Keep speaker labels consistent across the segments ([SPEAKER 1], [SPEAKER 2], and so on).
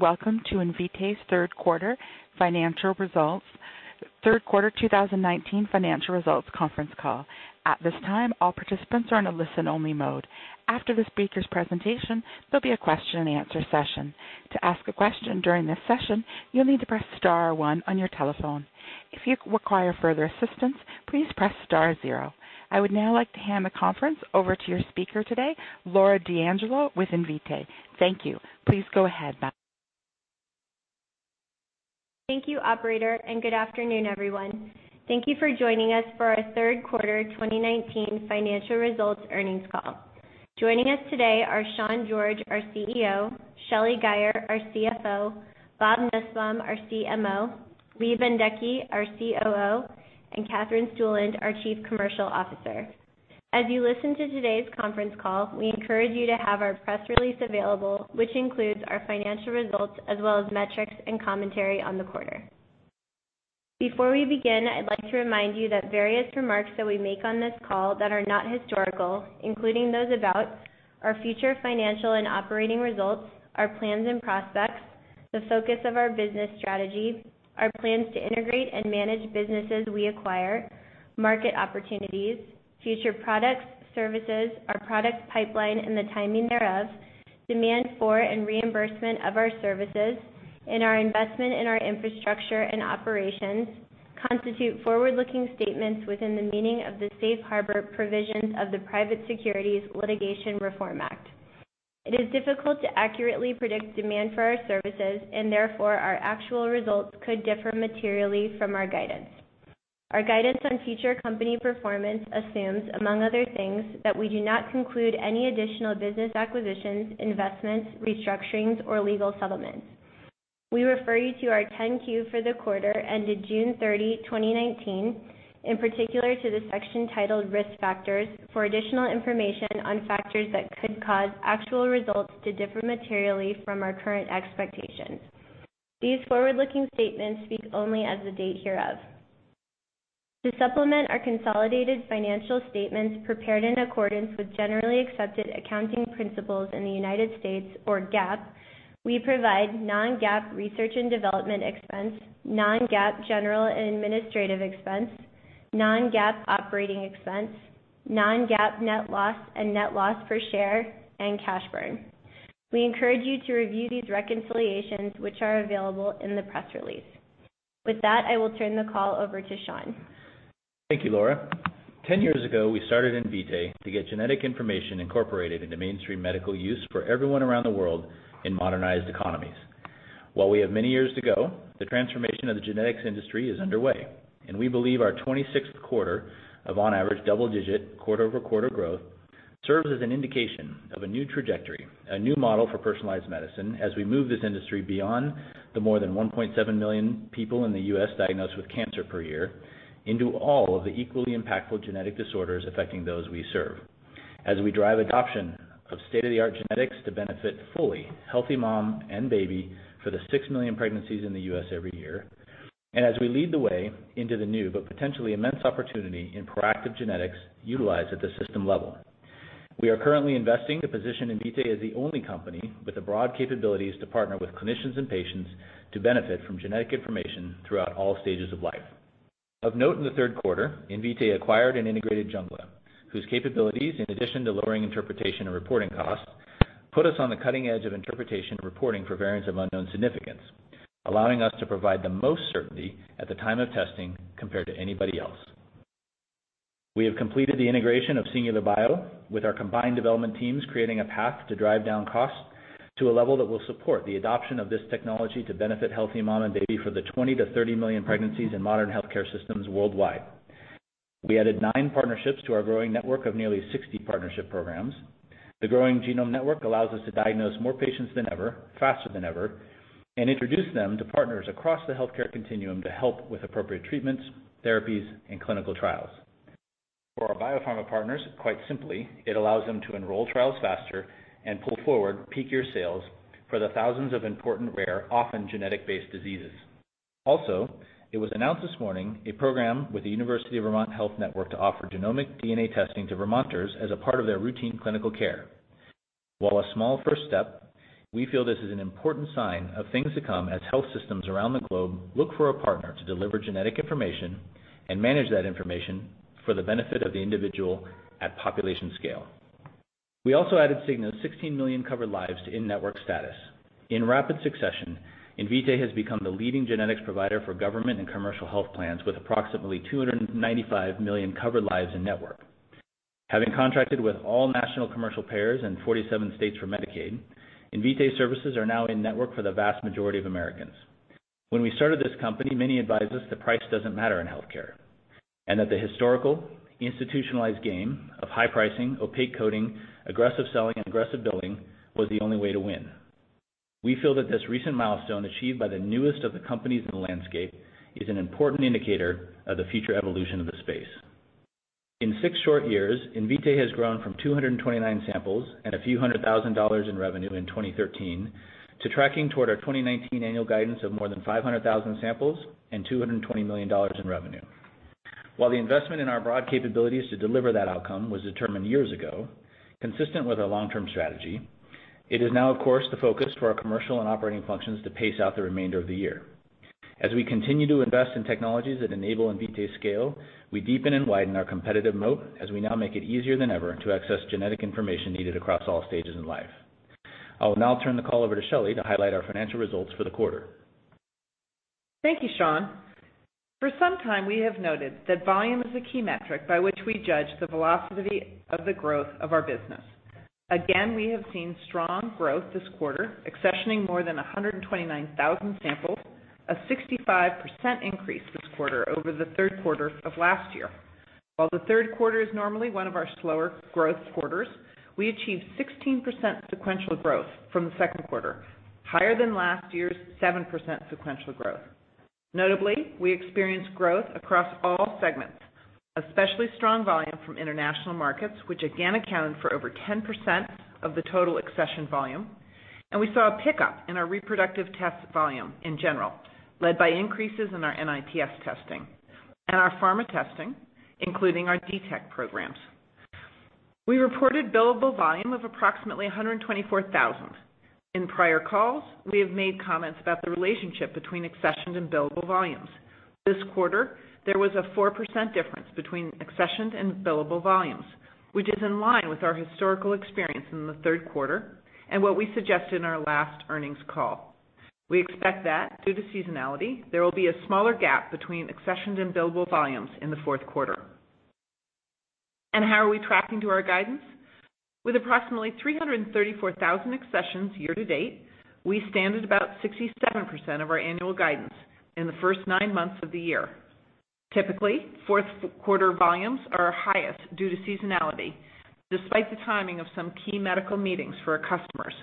[SPEAKER 1] Welcome to Invitae's third quarter 2019 financial results conference call. At this time, all participants are in a listen-only mode. After the speakers' presentation, there'll be a question and answer session. To ask a question during this session, you'll need to press star one on your telephone. If you require further assistance, please press star zero. I would now like to hand the conference over to your speaker today, Laura D'Angelo with Invitae. Thank you. Please go ahead, ma'am.
[SPEAKER 2] Thank you, operator. Good afternoon, everyone. Thank you for joining us for our third quarter 2019 financial results earnings call. Joining us today are Sean George, our CEO, Shelly Guyer, our CFO, Bob Nussbaum, our CMO, Lee Bendekgey, our COO, and Katherine Stueland, our Chief Commercial Officer. As you listen to today's conference call, we encourage you to have our press release available, which includes our financial results as well as metrics and commentary on the quarter. Before we begin, I'd like to remind you that various remarks that we make on this call that are not historical, including those about our future financial and operating results, our plans and prospects, the focus of our business strategy, our plans to integrate and manage businesses we acquire, market opportunities, future products, services, our product pipeline, and the timing thereof, demand for and reimbursement of our services, and our investment in our infrastructure and operations, constitute forward-looking statements within the meaning of the Safe Harbor provisions of the Private Securities Litigation Reform Act. It is difficult to accurately predict demand for our services and therefore, our actual results could differ materially from our guidance. Our guidance on future company performance assumes, among other things, that we do not conclude any additional business acquisitions, investments, restructurings, or legal settlements. We refer you to our 10-Q for the quarter ended June 30, 2019, in particular to the section titled Risk Factors for additional information on factors that could cause actual results to differ materially from our current expectations. These forward-looking statements speak only as of the date hereof. To supplement our consolidated financial statements prepared in accordance with Generally Accepted Accounting Principles in the United States or GAAP, we provide non-GAAP research and development expense, non-GAAP general and administrative expense, non-GAAP operating expense, non-GAAP net loss and net loss per share, and cash burn. We encourage you to review these reconciliations which are available in the press release. With that, I will turn the call over to Sean.
[SPEAKER 3] Thank you, Laura. 10 years ago, we started Invitae to get genetic information incorporated into mainstream medical use for everyone around the world in modernized economies. While we have many years to go, the transformation of the genetics industry is underway, and we believe our 26th quarter of on average double-digit quarter-over-quarter growth serves as an indication of a new trajectory, a new model for personalized medicine as we move this industry beyond the more than 1.7 million people in the U.S. diagnosed with cancer per year into all of the equally impactful genetic disorders affecting those we serve. As we drive adoption of state-of-the-art genetics to benefit fully healthy mom and baby for the 6 million pregnancies in the U.S. every year, as we lead the way into the new, but potentially immense opportunity in proactive genetics utilized at the system level. We are currently investing to position Invitae as the only company with the broad capabilities to partner with clinicians and patients to benefit from genetic information throughout all stages of life. Of note in the third quarter, Invitae acquired and integrated Jungla, whose capabilities, in addition to lowering interpretation and reporting costs, put us on the cutting edge of interpretation and reporting for variants of unknown significance, allowing us to provide the most certainty at the time of testing compared to anybody else. We have completed the integration of Singular Bio with our combined development teams, creating a path to drive down costs to a level that will support the adoption of this technology to benefit healthy mom and baby for the 20 million-30 million pregnancies in modern healthcare systems worldwide. We added nine partnerships to our growing network of nearly 60 partnership programs. The growing Genome Network allows us to diagnose more patients than ever, faster than ever, and introduce them to partners across the healthcare continuum to help with appropriate treatments, therapies, and clinical trials. For our biopharma partners, quite simply, it allows them to enroll trials faster and pull forward peak year sales for the thousands of important, rare, often genetic-based diseases. Also, it was announced this morning a program with the University of Vermont Health Network to offer genomic DNA testing to Vermonters as a part of their routine clinical care. While a small first step, we feel this is an important sign of things to come as health systems around the globe look for a partner to deliver genetic information and manage that information for the benefit of the individual at population scale. We also added Cigna's 16 million covered lives to in-network status. In rapid succession, Invitae has become the leading genetics provider for government and commercial health plans with approximately 295 million covered lives in-network. Having contracted with all national commercial payers in 47 states for Medicaid, Invitae services are now in network for the vast majority of Americans. When we started this company, many advised us the price doesn't matter in healthcare and that the historical, institutionalized game of high pricing, opaque coding, aggressive selling, and aggressive billing was the only way to win. We feel that this recent milestone achieved by the newest of the companies in the landscape is an important indicator of the future evolution of the space. In six short years, Invitae has grown from 229 samples and a few hundred thousand dollars in revenue in 2013 to tracking toward our 2019 annual guidance of more than 500,000 samples and $220 million in revenue. While the investment in our broad capabilities to deliver that outcome was determined years ago, consistent with our long-term strategy, it is now, of course, the focus for our commercial and operating functions to pace out the remainder of the year. As we continue to invest in technologies that enable Invitae's scale, we deepen and widen our competitive moat as we now make it easier than ever to access genetic information needed across all stages in life. I will now turn the call over to Shelly to highlight our financial results for the quarter.
[SPEAKER 4] Thank you, Sean. For some time, we have noted that volume is a key metric by which we judge the velocity of the growth of our business. Again, we have seen strong growth this quarter, accessioning more than 129,000 samples, a 65% increase this quarter over the third quarter of last year. While the third quarter is normally one of our slower growth quarters, we achieved 16% sequential growth from the second quarter, higher than last year's 7% sequential growth. Notably, we experienced growth across all segments, especially strong volume from international markets, which again accounted for over 10% of the total accessioned volume. We saw a pickup in our reproductive test volume in general, led by increases in our NIPS testing and our pharma testing, including our Detect programs. We reported billable volume of approximately 124,000. In prior calls, we have made comments about the relationship between accessioned and billable volumes. This quarter, there was a 4% difference between accessioned and billable volumes, which is in line with our historical experience in the third quarter and what we suggested in our last earnings call. We expect that, due to seasonality, there will be a smaller gap between accessioned and billable volumes in the fourth quarter. How are we tracking to our guidance? With approximately 334,000 accessions year to date, we stand at about 67% of our annual guidance in the first nine months of the year. Typically, fourth quarter volumes are our highest due to seasonality, despite the timing of some key medical meetings for our customers.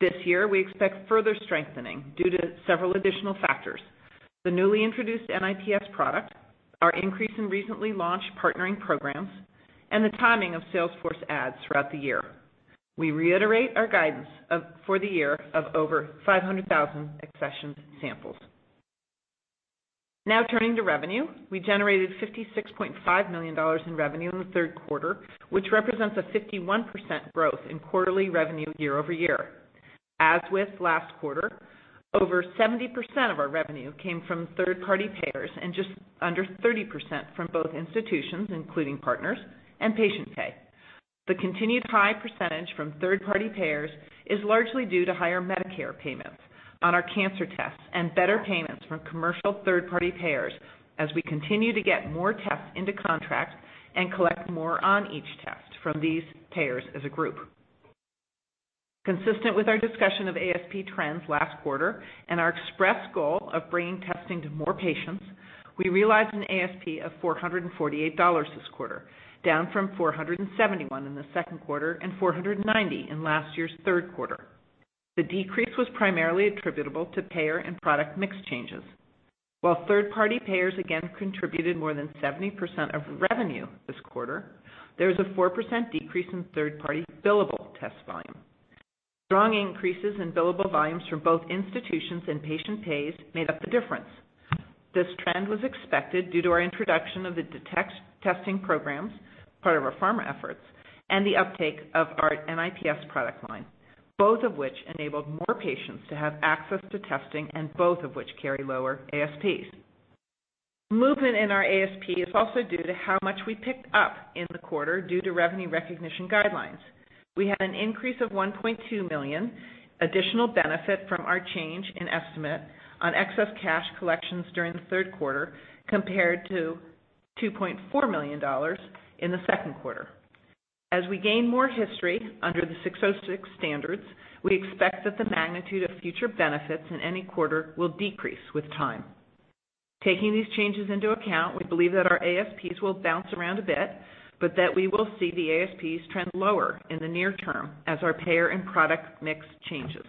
[SPEAKER 4] This year, we expect further strengthening due to several additional factors: the newly introduced NIPS product, our increase in recently launched partnering programs, and the timing of sales force adds throughout the year. We reiterate our guidance for the year of over 500,000 accessioned samples. Turning to revenue. We generated $56.5 million in revenue in the third quarter, which represents a 51% growth in quarterly revenue year-over-year. As with last quarter, over 70% of our revenue came from third-party payers and just under 30% from both institutions, including partners, and patient pay. The continued high percentage from third-party payers is largely due to higher Medicare payments on our cancer tests and better payments from commercial third-party payers as we continue to get more tests into contract and collect more on each test from these payers as a group. Consistent with our discussion of ASP trends last quarter and our expressed goal of bringing testing to more patients, we realized an ASP of $448 this quarter, down from $471 in the second quarter and $490 in last year's third quarter. The decrease was primarily attributable to payer and product mix changes. While third-party payers again contributed more than 70% of revenue this quarter, there was a 4% decrease in third-party billable test volume. Strong increases in billable volumes from both institutions and patient pays made up the difference. This trend was expected due to our introduction of the Detect testing programs, part of our pharma efforts, and the uptake of our NIPS product line, both of which enabled more patients to have access to testing and both of which carry lower ASPs. Movement in our ASP is also due to how much we picked up in the quarter due to revenue recognition guidelines. We had an increase of $1.2 million additional benefit from our change in estimate on excess cash collections during the third quarter, compared to $2.4 million in the second quarter. As we gain more history under the 606 standards, we expect that the magnitude of future benefits in any quarter will decrease with time. Taking these changes into account, we believe that our ASPs will bounce around a bit, but that we will see the ASPs trend lower in the near term as our payer and product mix changes.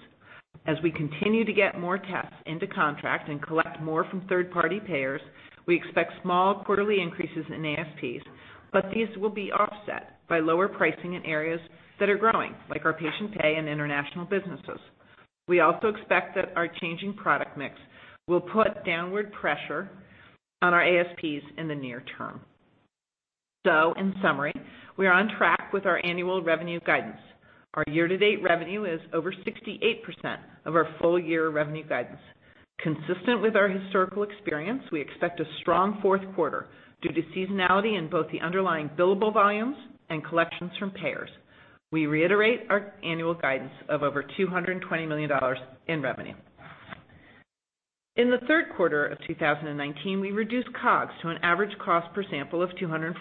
[SPEAKER 4] As we continue to get more tests into contract and collect more from third-party payers, we expect small quarterly increases in ASPs, but these will be offset by lower pricing in areas that are growing, like our patient pay and international businesses. We also expect that our changing product mix will put downward pressure on our ASPs in the near term. In summary, we are on track with our annual revenue guidance. Our year-to-date revenue is over 68% of our full-year revenue guidance. Consistent with our historical experience, we expect a strong fourth quarter due to seasonality in both the underlying billable volumes and collections from payers. We reiterate our annual guidance of over $220 million in revenue. In the third quarter of 2019, we reduced COGS to an average cost per sample of $249,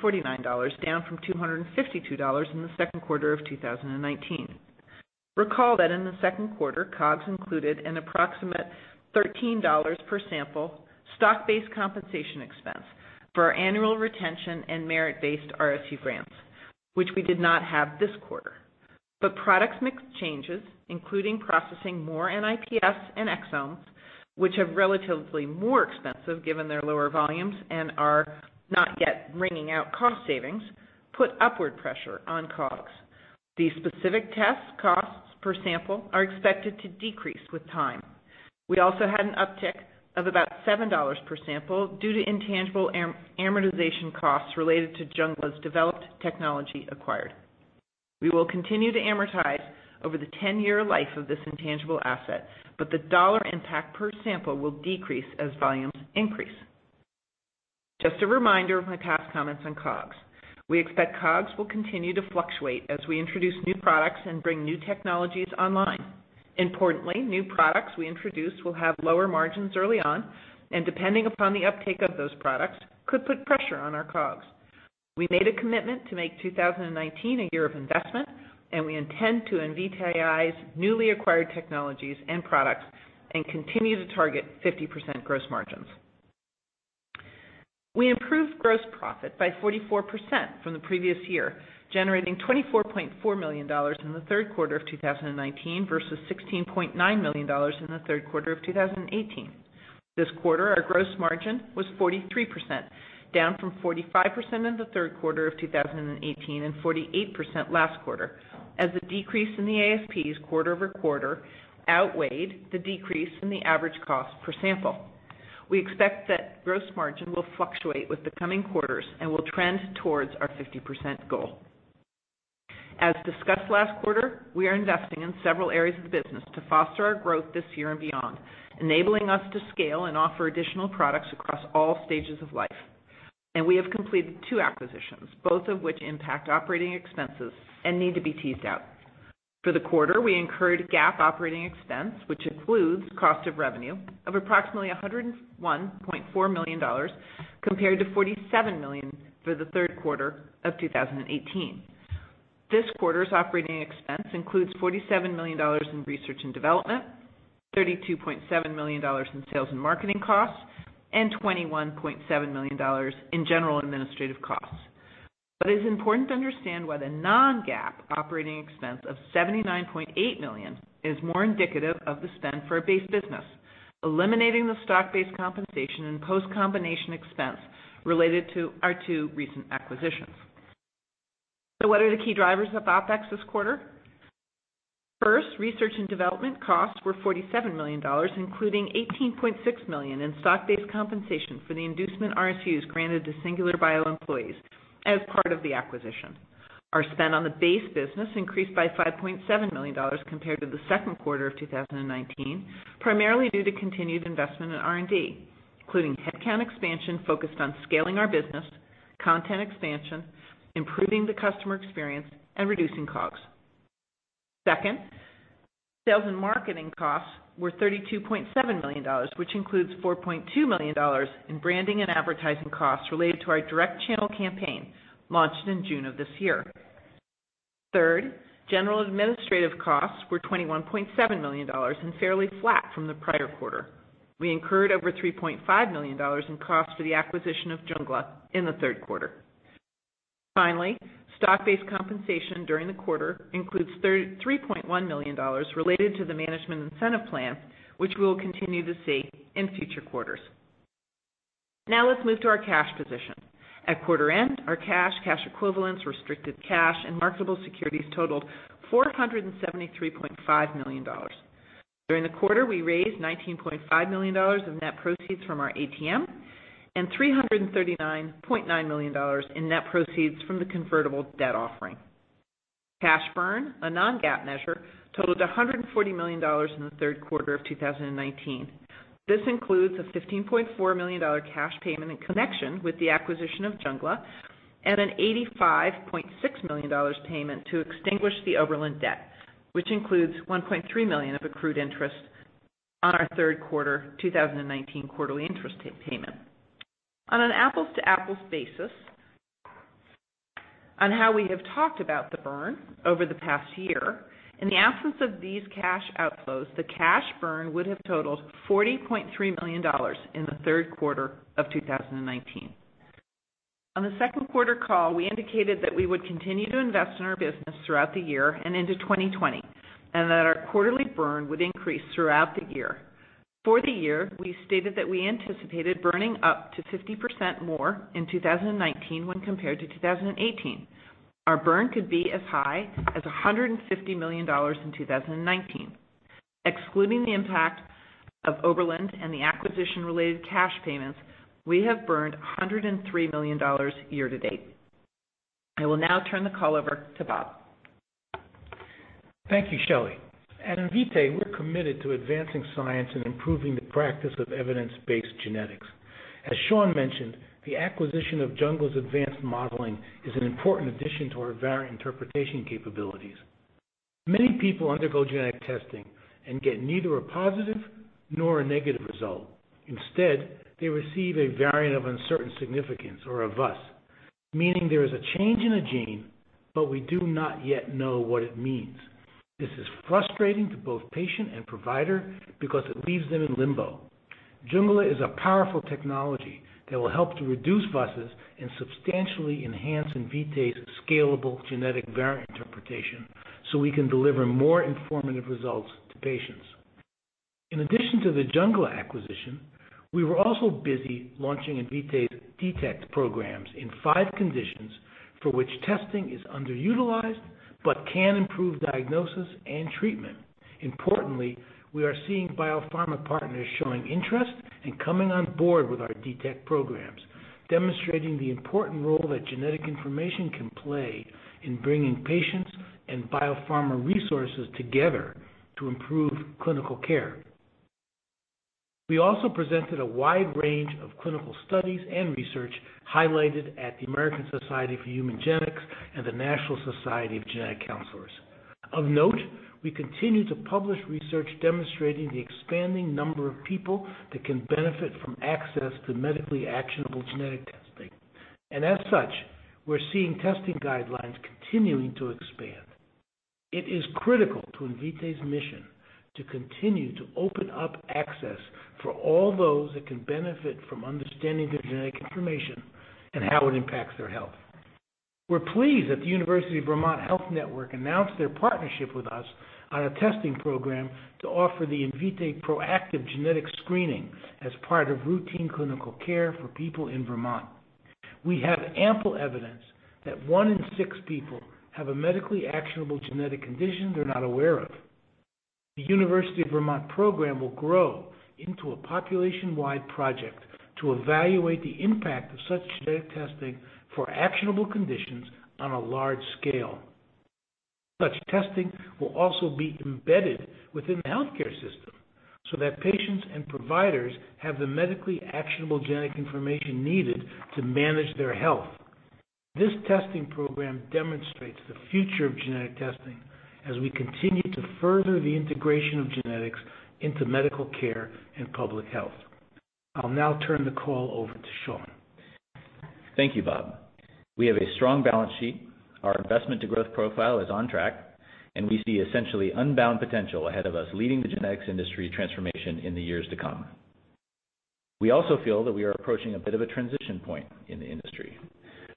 [SPEAKER 4] down from $252 in the second quarter of 2019. Recall that in the second quarter, COGS included an approximate $13 per sample stock-based compensation expense for our annual retention and merit-based RSU grants, which we did not have this quarter. Product mix changes, including processing more NIPS and exomes, which are relatively more expensive given their lower volumes and are not yet wringing out cost savings, put upward pressure on COGS. These specific test costs per sample are expected to decrease with time. We also had an uptick of about $7 per sample due to intangible amortization costs related to Jungla's developed technology acquired. We will continue to amortize over the 10-year life of this intangible asset, but the dollar impact per sample will decrease as volumes increase. Just a reminder of my past comments on COGS. We expect COGS will continue to fluctuate as we introduce new products and bring new technologies online. Importantly, new products we introduce will have lower margins early on, and depending upon the uptake of those products, could put pressure on our COGS. We made a commitment to make 2019 a year of investment, and we intend to Invitae's newly acquired technologies and products and continue to target 50% gross margins. We improved gross profit by 44% from the previous year, generating $24.4 million in the third quarter of 2019 versus $16.9 million in the third quarter of 2018. This quarter, our gross margin was 43%, down from 45% in the third quarter of 2018 and 48% last quarter, as the decrease in the ASPs quarter-over-quarter outweighed the decrease in the average cost per sample. We expect that gross margin will fluctuate with the coming quarters and will trend towards our 50% goal. As discussed last quarter, we are investing in several areas of the business to foster our growth this year and beyond, enabling us to scale and offer additional products across all stages of life. We have completed two acquisitions, both of which impact operating expenses and need to be teased out. For the quarter, we incurred GAAP operating expense, which includes cost of revenue, of approximately $101.4 million compared to $47 million for the third quarter of 2018. This quarter's operating expense includes $47 million in research and development, $32.7 million in sales and marketing costs, and $21.7 million in general and administrative costs. It is important to understand why the non-GAAP operating expense of $79.8 million is more indicative of the spend for a base business, eliminating the stock-based compensation and post-combination expense related to our two recent acquisitions. What are the key drivers of OpEx this quarter? First, research and development costs were $47 million, including $18.6 million in stock-based compensation for the inducement RSUs granted to Singular Bio employees as part of the acquisition. Our spend on the base business increased by $5.7 million compared to the second quarter of 2019, primarily due to continued investment in R&D, including headcount expansion focused on scaling our business, content expansion, improving the customer experience, and reducing COGS. Second, sales and marketing costs were $32.7 million, which includes $4.2 million in branding and advertising costs related to our direct channel campaign launched in June of this year. Third, general administrative costs were $21.7 million and fairly flat from the prior quarter. We incurred over $3.5 million in costs for the acquisition of Jungla in the third quarter. Finally, stock-based compensation during the quarter includes $33.1 million related to the management incentive plan, which we'll continue to see in future quarters. Now let's move to our cash position. At quarter end, our cash equivalents, restricted cash, and marketable securities totaled $473.5 million. During the quarter, we raised $19.5 million in net proceeds from our ATM and $339.9 million in net proceeds from the convertible debt offering. Cash burn, a non-GAAP measure, totaled $140 million in the third quarter of 2019. This includes a $15.4 million cash payment in connection with the acquisition of Jungla and an $85.6 million payment to extinguish the Oberland debt, which includes $1.3 million of accrued interest on our third quarter 2019 quarterly interest payment. On an apples-to-apples basis on how we have talked about the burn over the past year, in the absence of these cash outflows, the cash burn would have totaled $40.3 million in the third quarter of 2019. On the second quarter call, we indicated that we would continue to invest in our business throughout the year and into 2020, and that our quarterly burn would increase throughout the year. For the year, we stated that we anticipated burning up to 50% more in 2019 when compared to 2018. Our burn could be as high as $150 million in 2019. Excluding the impact of Oberland and the acquisition-related cash payments, we have burned $103 million year to date. I will now turn the call over to Bob.
[SPEAKER 5] Thank you, Shelly. At Invitae, we're committed to advancing science and improving the practice of evidence-based genetics. As Sean mentioned, the acquisition of Jungla's advanced modeling is an important addition to our variant interpretation capabilities. Many people undergo genetic testing and get neither a positive nor a negative result. Instead, they receive a variant of uncertain significance or a VUS, meaning there is a change in a gene, but we do not yet know what it means. This is frustrating to both patient and provider because it leaves them in limbo. Jungla is a powerful technology that will help to reduce VUSs and substantially enhance Invitae's scalable genetic variant interpretation so we can deliver more informative results to patients. In addition to the Jungla acquisition, we were also busy launching Invitae Detect programs in five conditions for which testing is underutilized, but can improve diagnosis and treatment. We are seeing biopharma partners showing interest and coming on board with our Detect programs, demonstrating the important role that genetic information can play in bringing patients and biopharma resources together to improve clinical care. We also presented a wide range of clinical studies and research highlighted at the American Society of Human Genetics and the National Society of Genetic Counselors. We continue to publish research demonstrating the expanding number of people that can benefit from access to medically actionable genetic testing. We're seeing testing guidelines continuing to expand. It is critical to Invitae's mission to continue to open up access for all those that can benefit from understanding their genetic information and how it impacts their health. We're pleased that the University of Vermont Health Network announced their partnership with us on a testing program to offer the Invitae Proactive Genetic Screening as part of routine clinical care for people in Vermont. We have ample evidence that one in six people have a medically actionable genetic condition they're not aware of. The University of Vermont program will grow into a population-wide project to evaluate the impact of such genetic testing for actionable conditions on a large scale. Such testing will also be embedded within the healthcare system so that patients and providers have the medically actionable genetic information needed to manage their health. This testing program demonstrates the future of genetic testing as we continue to further the integration of genetics into medical care and public health. I'll now turn the call over to Sean.
[SPEAKER 3] Thank you, Bob. We have a strong balance sheet. Our investment to growth profile is on track, and we see essentially unbound potential ahead of us, leading the genetics industry transformation in the years to come. We also feel that we are approaching a bit of a transition point in the industry.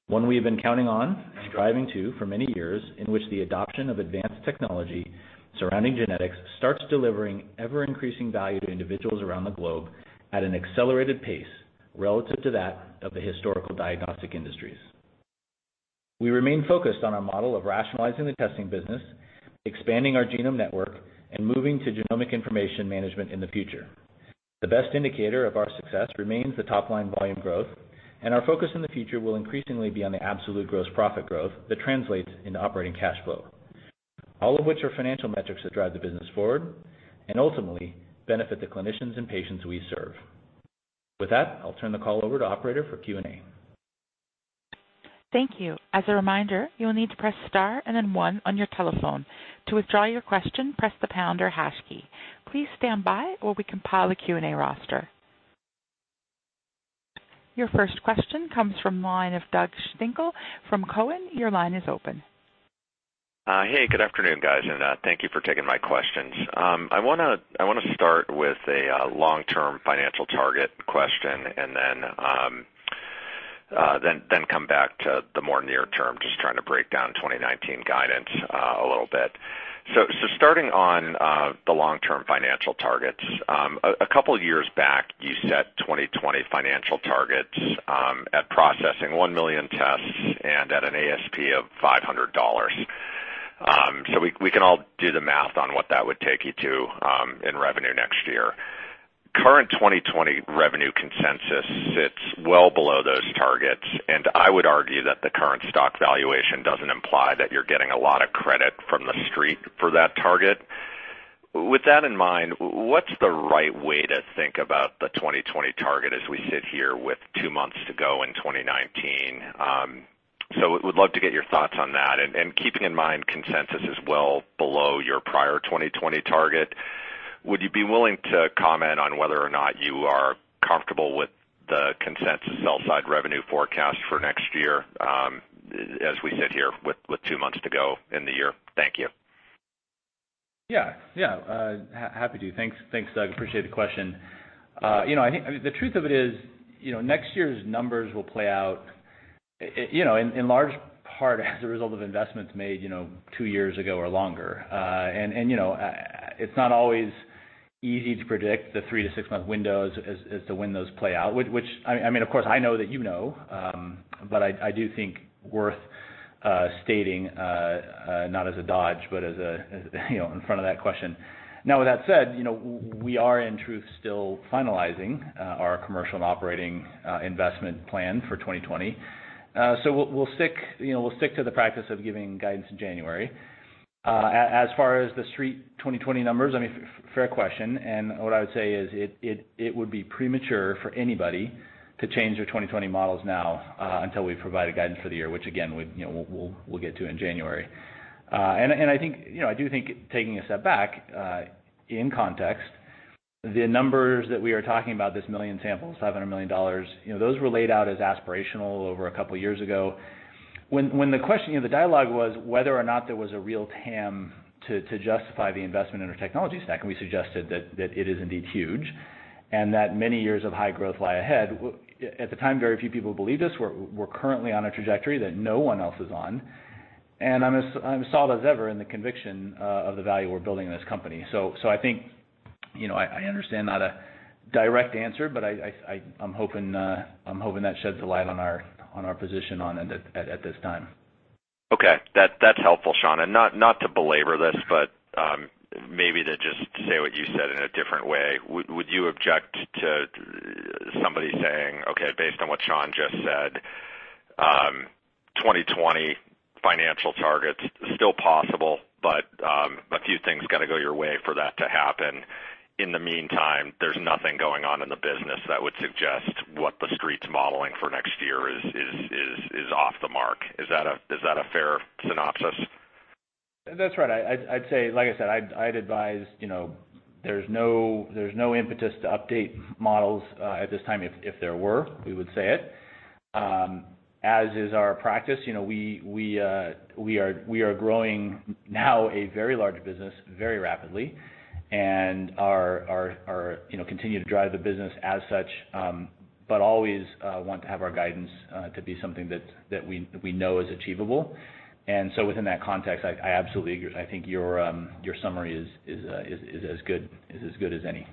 [SPEAKER 3] One we have been counting on and striving to for many years, in which the adoption of advanced technology surrounding genetics starts delivering ever-increasing value to individuals around the globe at an accelerated pace relative to that of the historical diagnostic industries. We remain focused on our model of rationalizing the testing business, expanding our Genome Network, and moving to genomic information management in the future. The best indicator of our success remains the top-line volume growth, and our focus in the future will increasingly be on the absolute gross profit growth that translates into operating cash flow. All of which are financial metrics that drive the business forward and ultimately benefit the clinicians and patients we serve. With that, I'll turn the call over to operator for Q&A.
[SPEAKER 1] Thank you. As a reminder, you will need to press star and then one on your telephone. To withdraw your question, press the pound or hash key. Please stand by while we compile a Q&A roster. Your first question comes from the line of Doug Schenkel from Cowen. Your line is open.
[SPEAKER 6] Hey, good afternoon, guys. Thank you for taking my questions. I want to start with a long-term financial target question and then come back to the more near term, just trying to break down 2019 guidance a little bit. Starting on the long-term financial targets. A couple years back, you set 2020 financial targets at processing 1 million tests and at an ASP of $500. We can all do the math on what that would take you to in revenue next year. Current 2020 revenue consensus sits well below those targets, and I would argue that the current stock valuation doesn't imply that you're getting a lot of credit from the Street for that target. With that in mind, what's the right way to think about the 2020 target as we sit here with two months to go in 2019? Would love to get your thoughts on that and keeping in mind consensus is well below your prior 2020 target. Would you be willing to comment on whether or not you are comfortable with the consensus sell side revenue forecast for next year as we sit here with two months to go in the year? Thank you.
[SPEAKER 3] Yeah. Happy to. Thanks, Doug. Appreciate the question. I think the truth of it is, next year's numbers will play out in large part as a result of investments made two years ago or longer. It's not always easy to predict the three to six-month windows as the windows play out. Which, of course, I know that you know, but I do think worth stating, not as a dodge, but in front of that question. Now, with that said, we are in truth still finalizing our commercial and operating investment plan for 2020. We'll stick to the practice of giving guidance in January. As far as the Street 2020 numbers, fair question, and what I would say is it would be premature for anybody to change their 2020 models now until we provide a guidance for the year, which again, we'll get to in January. I do think, taking a step back, in context, the numbers that we are talking about, this 1 million samples, $500 million, those were laid out as aspirational over 2 years ago. When the dialogue was whether or not there was a real TAM to justify the investment in our technology stack, and we suggested that it is indeed huge and that many years of high growth lie ahead. At the time, very few people believed us. We're currently on a trajectory that no one else is on. I'm as solid as ever in the conviction of the value we're building in this company. I understand not a direct answer, but I'm hoping that sheds a light on our position on it at this time.
[SPEAKER 6] Okay. That's helpful, Sean. Not to belabor this, but maybe to just say what you said in a different way. Would you object to somebody saying, "Okay, based on what Sean just said, 2020 financial targets still possible, but a few things got to go your way for that to happen. In the meantime, there's nothing going on in the business that would suggest what the street's modeling for next year is off the mark." Is that a fair synopsis?
[SPEAKER 3] That's right. Like I said, I'd advise, there's no impetus to update models at this time. If there were, we would say it. As is our practice, we are growing now a very large business very rapidly and continue to drive the business as such, but always want to have our guidance to be something that we know is achievable. Within that context, I absolutely agree. I think your summary is as good as any.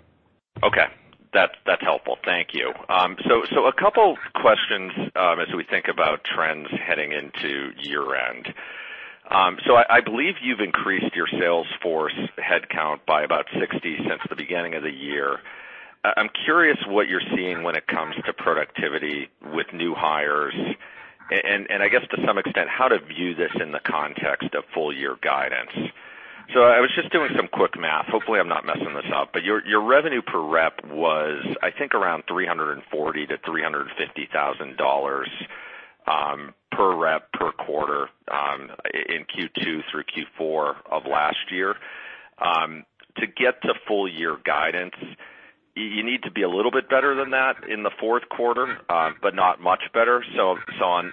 [SPEAKER 6] Okay. That's helpful. Thank you. A couple questions as we think about trends heading into year-end. I believe you've increased your sales force headcount by about 60 since the beginning of the year. I'm curious what you're seeing when it comes to productivity with new hires, and I guess to some extent, how to view this in the context of full-year guidance. I was just doing some quick math. Hopefully I'm not messing this up, but your revenue per rep was, I think, around $340,000 to $350,000 per rep per quarter in Q2 through Q4 of last year. To get to full-year guidance, you need to be a little bit better than that in the fourth quarter, but not much better.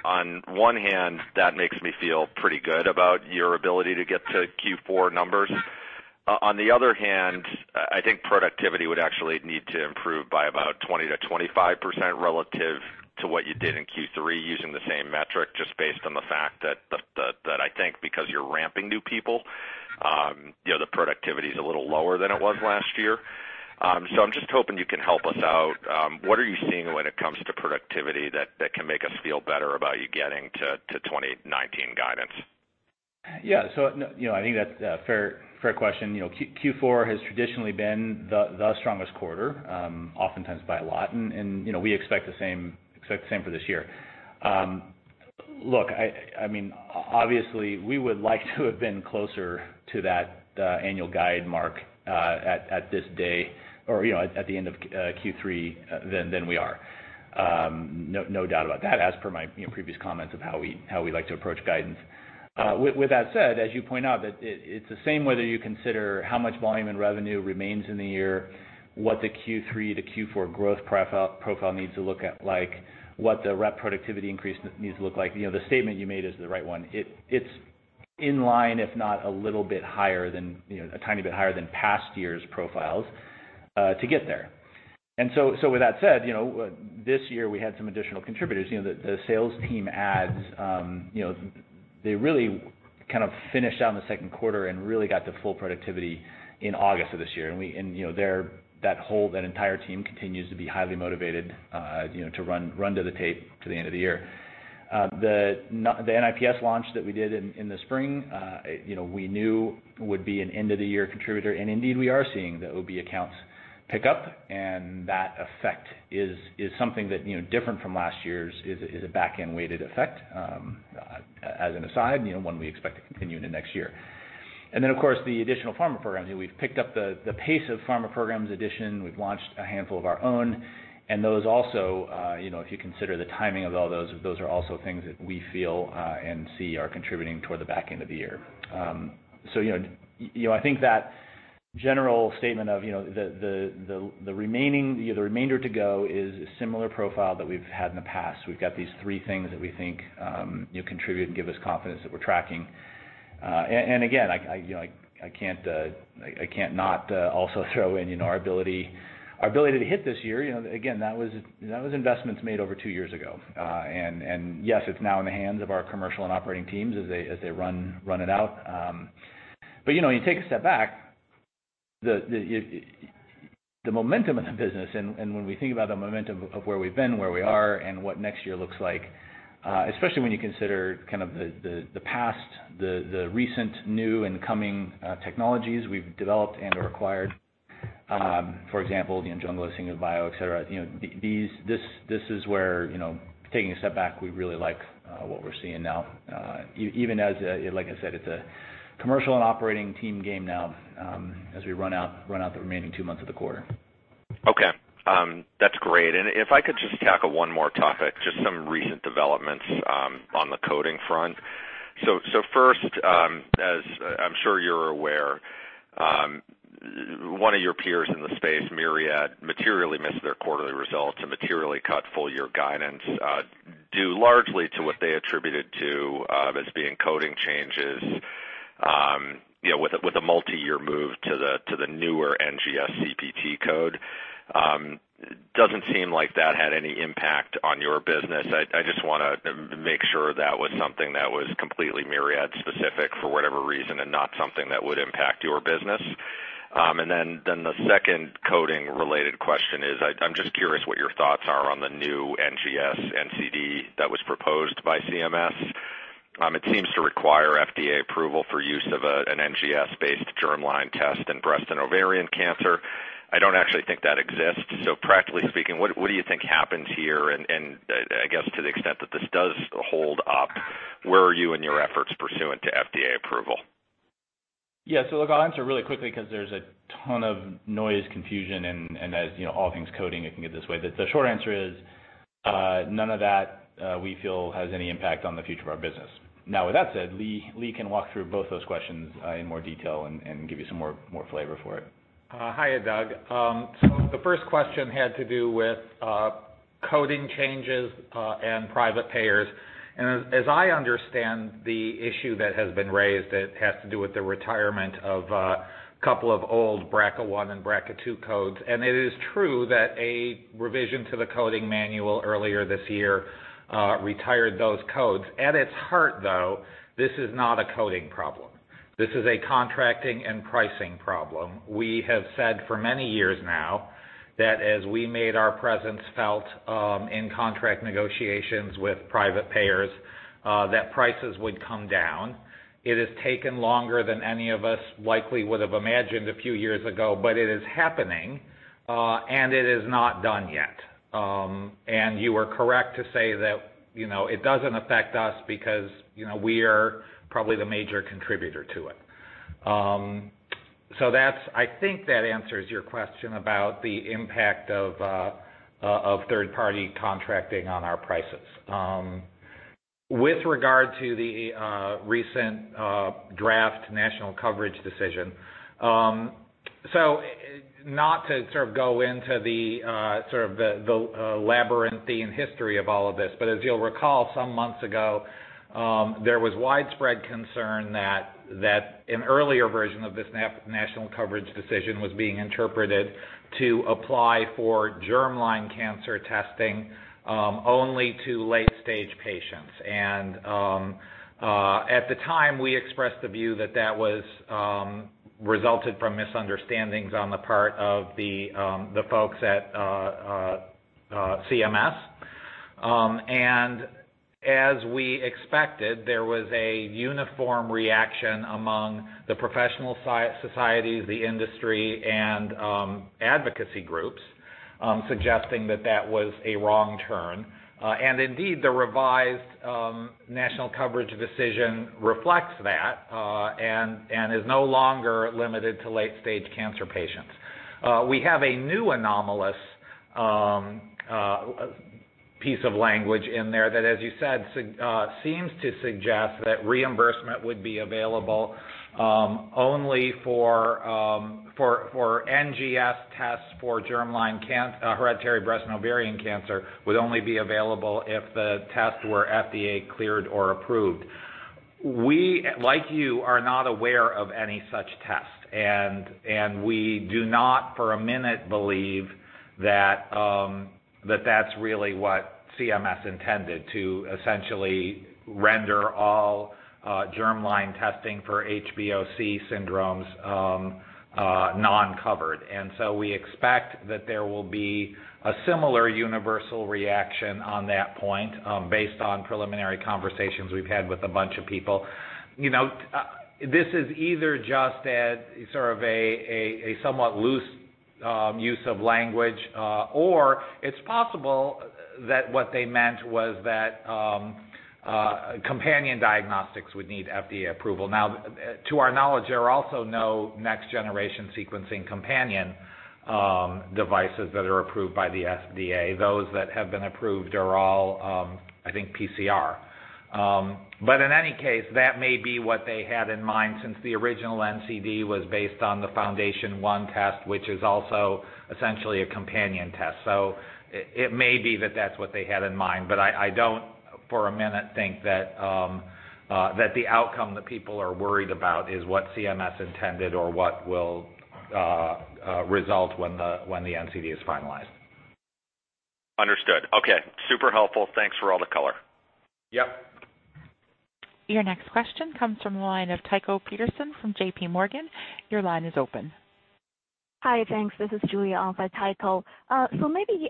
[SPEAKER 6] On one hand, that makes me feel pretty good about your ability to get to Q4 numbers. On the other hand, I think productivity would actually need to improve by about 20%-25% relative to what you did in Q3 using the same metric, just based on the fact that I think because you're ramping new people, the productivity's a little lower than it was last year. I'm just hoping you can help us out. What are you seeing when it comes to productivity that can make us feel better about you getting to 2019 guidance?
[SPEAKER 3] Yeah. I think that's a fair question. Q4 has traditionally been the strongest quarter, oftentimes by a lot, and we expect the same for this year. Look, obviously we would like to have been closer to that annual guide mark at this day or at the end of Q3 than we are. No doubt about that as per my previous comments of how we like to approach guidance. With that said, as you point out, it's the same whether you consider how much volume and revenue remains in the year, what the Q3 to Q4 growth profile needs to look at like, what the rep productivity increase needs to look like. The statement you made is the right one. It's in line, if not a little bit higher than, a tiny bit higher than past years' profiles to get there. With that said, this year we had some additional contributors. The sales team adds, they really kind of finished out in the second quarter and really got to full productivity in August of this year. That whole, that entire team continues to be highly motivated to run to the tape to the end of the year. The NIPS launch that we did in the spring, we knew would be an end-of-the-year contributor, and indeed, we are seeing the OB accounts pick up, and that effect is something that, different from last year's, is a back-end-weighted effect, as an aside, one we expect to continue into next year. Then, of course, the additional pharma programs. We've picked up the pace of pharma programs addition. We've launched a handful of our own, and those also, if you consider the timing of all those, are also things that we feel and see are contributing toward the back end of the year. I think that general statement of the remainder to go is a similar profile that we've had in the past. We've got these three things that we think contribute and give us confidence that we're tracking. Again, I can't not also throw in our ability to hit this year. Again, that was investments made over two years ago. Yes, it's now in the hands of our commercial and operating teams as they run it out. When you take a step back, the momentum of the business, and when we think about the momentum of where we've been, where we are, and what next year looks like, especially when you consider the past, the recent new and coming technologies we've developed and/or acquired, for example, Jungla, Singular Bio, et cetera. This is where, taking a step back, we really like what we're seeing now. Even as, like I said, it's a commercial and operating team game now, as we run out the remaining two months of the quarter.
[SPEAKER 6] Okay. That's great. If I could just tackle one more topic, just some recent developments on the coding front. First, as I'm sure you're aware, one of your peers in the space, Myriad, materially missed their quarterly results and materially cut full-year guidance, due largely to what they attributed to as being coding changes with a multi-year move to the newer NGS CPT code. It doesn't seem like that had any impact on your business. I just want to make sure that was something that was completely Myriad specific, for whatever reason, and not something that would impact your business. The second coding related question is, I'm just curious what your thoughts are on the new NGS NCD that was proposed by CMS. It seems to require FDA approval for use of an NGS based germline test in breast and ovarian cancer. I don't actually think that exists. Practically speaking, what do you think happens here? I guess to the extent that this does hold up, where are you in your efforts pursuant to FDA approval?
[SPEAKER 3] I'll answer really quickly because there's a ton of noise, confusion, and as you know, all things coding, it can get this way. The short answer is, none of that, we feel, has any impact on the future of our business. With that said, Lee can walk through both those questions in more detail and give you some more flavor for it.
[SPEAKER 7] Hi, Doug. The first question had to do with coding changes and private payers. As I understand the issue that has been raised, it has to do with the retirement of a couple of old BRCA1 and BRCA2 codes. It is true that a revision to the coding manual earlier this year retired those codes. At its heart, though, this is not a coding problem. This is a contracting and pricing problem. We have said for many years now that as we made our presence felt in contract negotiations with private payers, that prices would come down. It has taken longer than any of us likely would have imagined a few years ago, but it is happening. It is not done yet. You are correct to say that it doesn't affect us because we are probably the major contributor to it. I think that answers your question about the impact of third party contracting on our prices. With regard to the recent draft National Coverage Decision, not to go into the labyrinthine history of all of this, as you'll recall, some months ago, there was widespread concern that an earlier version of this National Coverage Decision was being interpreted to apply for germline cancer testing only to late stage patients. At the time, we expressed the view that that was resulted from misunderstandings on the part of the folks at CMS. As we expected, there was a uniform reaction among the professional societies, the industry, and advocacy groups, suggesting that that was a wrong turn. Indeed, the revised National Coverage Decision reflects that, and is no longer limited to late stage cancer patients. We have a new anomalous piece of language in there that, as you said, seems to suggest that reimbursement would be available only for NGS tests for hereditary breast and ovarian cancer, would only be available if the tests were FDA cleared or approved. We, like you, are not aware of any such test, and we do not, for a minute, believe that that's really what CMS intended to essentially render all germline testing for HBOC syndromes non-covered. We expect that there will be a similar universal reaction on that point, based on preliminary conversations we've had with a bunch of people. This is either just as a somewhat loose use of language, or it's possible that what they meant was that companion diagnostics would need FDA approval. Now, to our knowledge, there are also no next generation sequencing companion devices that are approved by the FDA. Those that have been approved are all, I think, PCR. In any case, that may be what they had in mind since the original NCD was based on the FoundationOne test, which is also essentially a companion test. It may be that that's what they had in mind, but I don't for a minute think that the outcome that people are worried about is what CMS intended or what will result when the NCD is finalized.
[SPEAKER 6] Understood. Okay. Super helpful. Thanks for all the color.
[SPEAKER 7] Yep.
[SPEAKER 1] Your next question comes from the line of Tycho Peterson from JP Morgan. Your line is open.
[SPEAKER 8] Hi, thanks. This is Julia, on for Tycho. Maybe,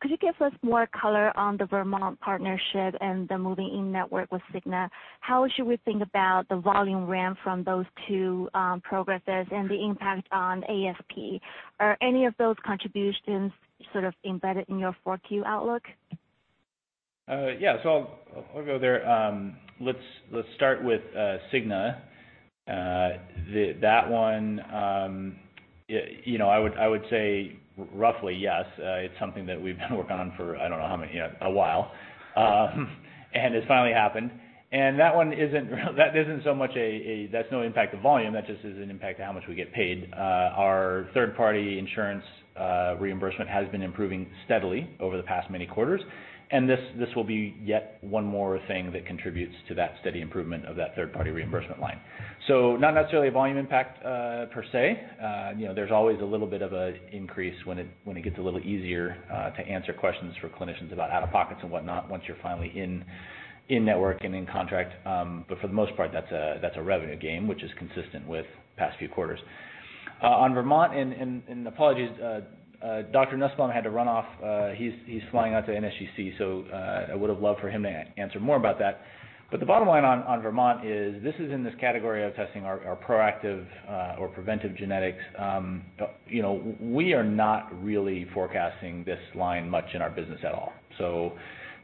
[SPEAKER 8] could you give us more color on the Vermont partnership and the moving in network with Cigna? How should we think about the volume ramp from those two progressions and the impact on ASP? Are any of those contributions embedded in your 4Q outlook?
[SPEAKER 3] Yeah. I'll go there. Let's start with Cigna. That one, I would say roughly yes. It's something that we've been working on for, I don't know how many, a while. It's finally happened, and that one isn't so much that's no impact to volume. That just is an impact to how much we get paid. Our third party insurance reimbursement has been improving steadily over the past many quarters, and this will be yet one more thing that contributes to that steady improvement of that third party reimbursement line. Not necessarily a volume impact, per se. There's always a little bit of an increase when it gets a little easier to answer questions for clinicians about out-of-pockets and whatnot once you're finally in network and in contract. For the most part, that's a revenue game, which is consistent with past few quarters. On Vermont, apologies, Dr. Nussbaum had to run off. He's flying out to NSGC, I would've loved for him to answer more about that. The bottom line on Vermont is this is in this category of testing our proactive or preventive genetics. We are not really forecasting this line much in our business at all.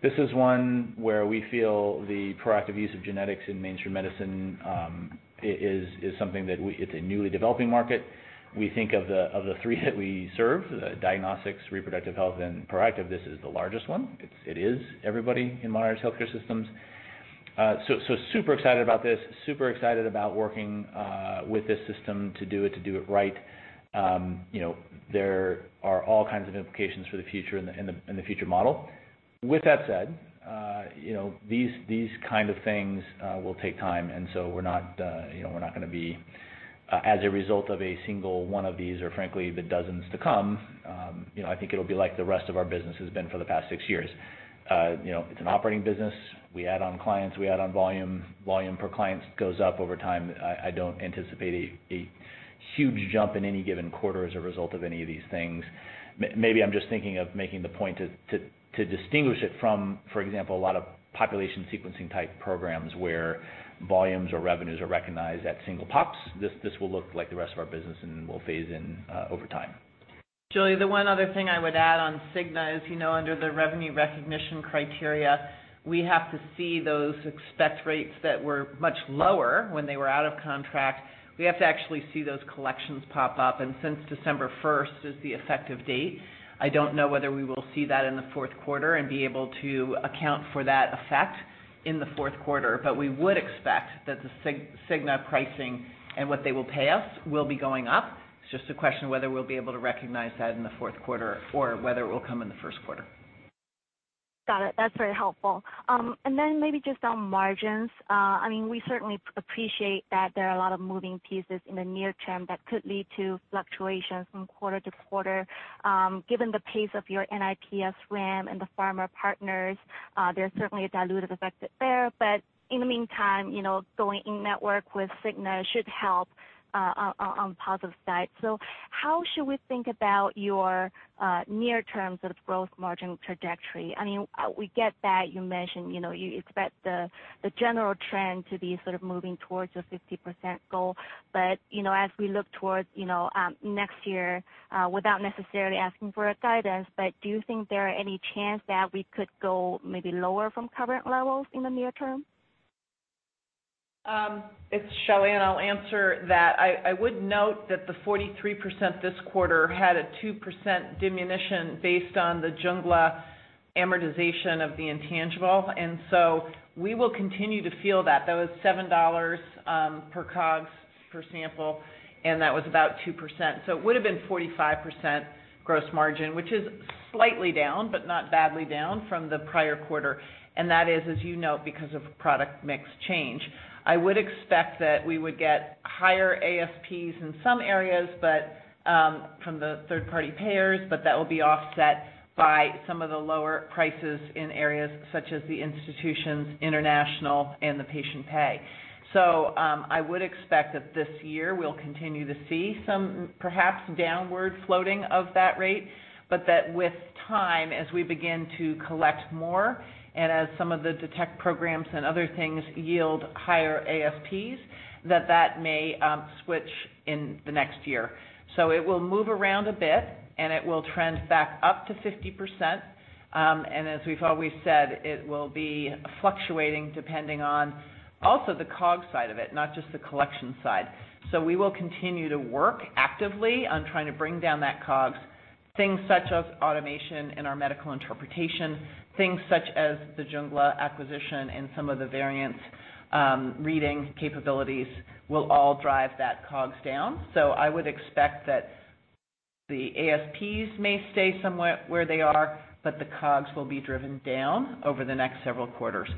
[SPEAKER 3] This is one where we feel the proactive use of genetics in mainstream medicine is something that is a newly developing market. We think of the three that we serve, the diagnostics, reproductive health, and proactive, this is the largest one. It is everybody in modern healthcare systems. Super excited about this, super excited about working with this system to do it right. There are all kinds of implications for the future and the future model. With that said, these kind of things will take time, and so we're not going to be, as a result of a single one of these, or frankly, the dozens to come, I think it'll be like the rest of our business has been for the past six years. It's an operating business. We add on clients, we add on volume. Volume per client goes up over time. I don't anticipate a huge jump in any given quarter as a result of any of these things. Maybe I'm just thinking of making the point to distinguish it from, for example, a lot of population sequencing type programs where volumes or revenues are recognized at single pops. This will look like the rest of our business and will phase in over time.
[SPEAKER 4] Julie, the one other thing I would add on Cigna is, under the revenue recognition criteria, we have to see those expense rates that were much lower when they were out of contract. We have to actually see those collections pop up, and since December 1st is the effective date, I don't know whether we will see that in the fourth quarter and be able to account for that effect in the fourth quarter. We would expect that the Cigna pricing and what they will pay us will be going up. It's just a question of whether we'll be able to recognize that in the fourth quarter or whether it will come in the first quarter.
[SPEAKER 8] Got it. That's very helpful. Then maybe just on margins, we certainly appreciate that there are a lot of moving pieces in the near term that could lead to fluctuations from quarter to quarter. Given the pace of your NIPS ramp and the pharma partners, there's certainly a dilutive effect there. In the meantime, going in-network with Cigna should help on the positive side. How should we think about your near-term growth margin trajectory? We get that you mentioned you expect the general trend to be sort of moving towards a 50% goal. As we look towards next year, without necessarily asking for a guidance, but do you think there are any chance that we could go maybe lower from current levels in the near term?
[SPEAKER 4] It's Shelly, and I'll answer that. I would note that the 43% this quarter had a 2% diminution based on the Jungla amortization of the intangible, and so we will continue to feel that. That was $7 per COGS per sample, and that was about 2%. It would've been 45% gross margin, which is slightly down, but not badly down from the prior quarter. That is, as you note, because of product mix change. I would expect that we would get higher ASPs in some areas, from the third-party payers. That will be offset by some of the lower prices in areas such as the institutions, international, and the patient pay. I would expect that this year we'll continue to see some, perhaps downward floating of that rate, but that with time, as we begin to collect more, and as some of the Detect programs and other things yield higher ASPs, that that may switch in the next year. It will move around a bit, and it will trend back up to 50%. As we've always said, it will be fluctuating depending on also the COGS side of it, not just the collection side. We will continue to work actively on trying to bring down that COGS. Things such as automation in our medical interpretation, things such as the Jungla acquisition and some of the variant reading capabilities will all drive that COGS down. I would expect that the ASPs may stay somewhat where they are, but the COGS will be driven down over the next several quarters.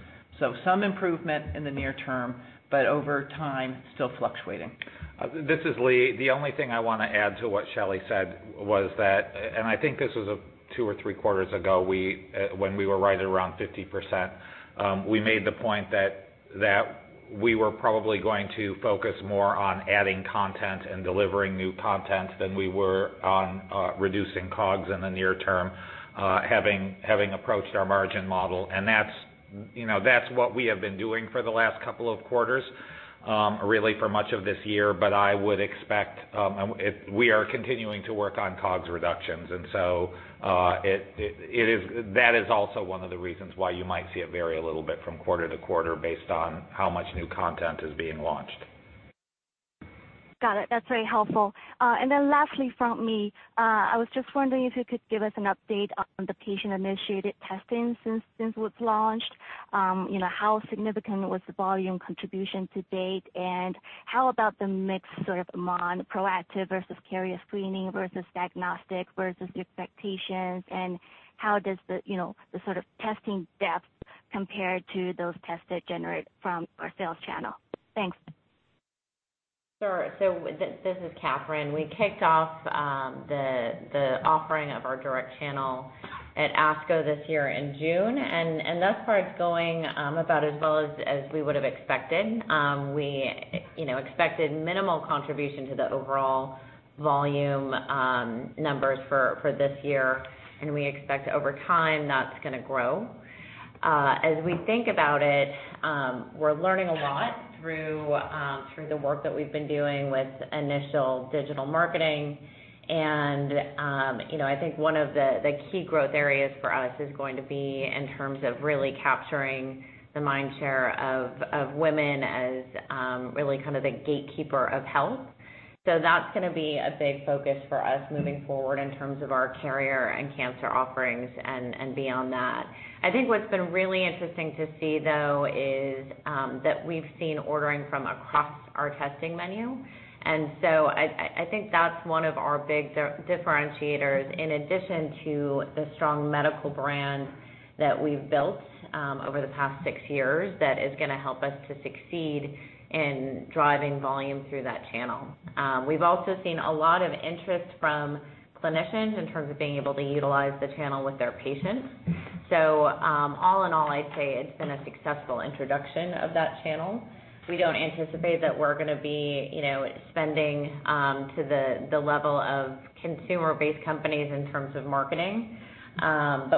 [SPEAKER 4] Some improvement in the near term, but over time, still fluctuating.
[SPEAKER 7] This is Lee. The only thing I want to add to what Shelly said was that, and I think this was two or three quarters ago, when we were right around 50%. We made the point that we were probably going to focus more on adding content and delivering new content than we were on reducing COGS in the near term, having approached our margin model. That's what we have been doing for the last couple of quarters, really for much of this year, but I would expect we are continuing to work on COGS reductions. That is also one of the reasons why you might see it vary a little bit from quarter to quarter based on how much new content is being launched.
[SPEAKER 8] Got it. That's very helpful. Lastly from me, I was just wondering if you could give us an update on the patient-initiated testing since it was launched. How significant was the volume contribution to date, and how about the mix sort of among proactive versus carrier screening versus diagnostic versus expectations, and how does the sort of testing depth compare to those tests that generate from our sales channel? Thanks.
[SPEAKER 9] Sure. This is Katherine. We kicked off. The offering of our Detect channel at ASCO this year in June. Thus far it's going about as well as we would've expected. We expected minimal contribution to the overall volume numbers for this year. We expect over time that's going to grow. As we think about it, we're learning a lot through the work that we've been doing with initial digital marketing. I think one of the key growth areas for us is going to be in terms of really capturing the mind share of women as really kind of the gatekeeper of health. That's going to be a big focus for us moving forward in terms of our carrier and cancer offerings and beyond that.
[SPEAKER 3] I think what's been really interesting to see, though, is that we've seen ordering from across our testing menu. I think that's one of our big differentiators, in addition to the strong medical brand that we've built over the past six years that is going to help us to succeed in driving volume through that channel. We've also seen a lot of interest from clinicians in terms of being able to utilize the channel with their patients. All in all, I'd say it's been a successful introduction of that channel. We don't anticipate that we're going to be spending to the level of consumer-based companies in terms of marketing.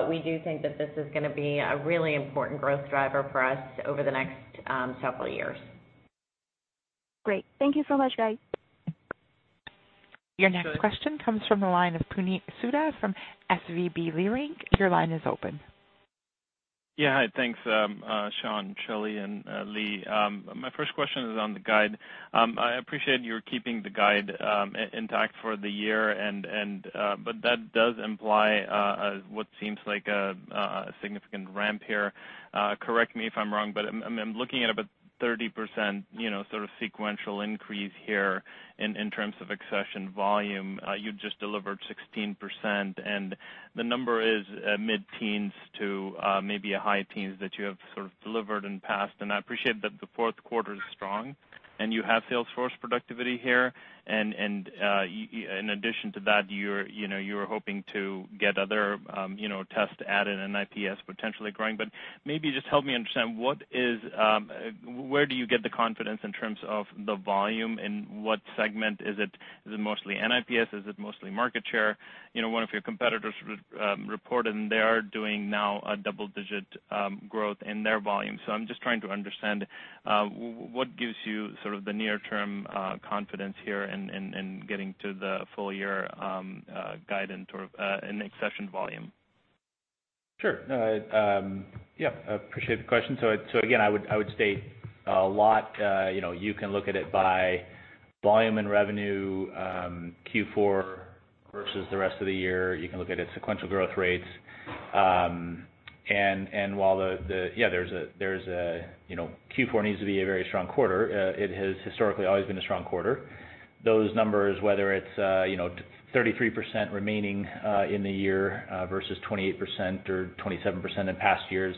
[SPEAKER 3] We do think that this is going to be a really important growth driver for us over the next several years.
[SPEAKER 8] Great. Thank you so much, guys.
[SPEAKER 1] Your next question comes from the line of Puneet Souda from SVB Leerink. Your line is open.
[SPEAKER 10] Yeah. Hi. Thanks, Sean, Shelly, and Lee. My first question is on the guide. I appreciate you're keeping the guide intact for the year, but that does imply what seems like a significant ramp here. Correct me if I'm wrong, but I'm looking at about 30% sort of sequential increase here in terms of accession volume. You just delivered 16%, and the number is mid-teens to maybe a high teens that you have sort of delivered in the past. I appreciate that the fourth quarter is strong and you have sales force productivity here, and in addition to that, you are hoping to get other tests added and NIPS potentially growing. Maybe just help me understand where do you get the confidence in terms of the volume, and what segment is it? Is it mostly NIPS? Is it mostly market share? One of your competitors reported they are doing now a double-digit growth in their volume. I'm just trying to understand what gives you sort of the near-term confidence here in getting to the full year guidance or in accession volume?
[SPEAKER 3] Sure. Yeah, appreciate the question. Again, I would state a lot, you can look at it by volume and revenue Q4 versus the rest of the year. You can look at it sequential growth rates. While Yeah, Q4 needs to be a very strong quarter. It has historically always been a strong quarter. Those numbers, whether it's 33% remaining in the year, versus 28% or 27% in past years,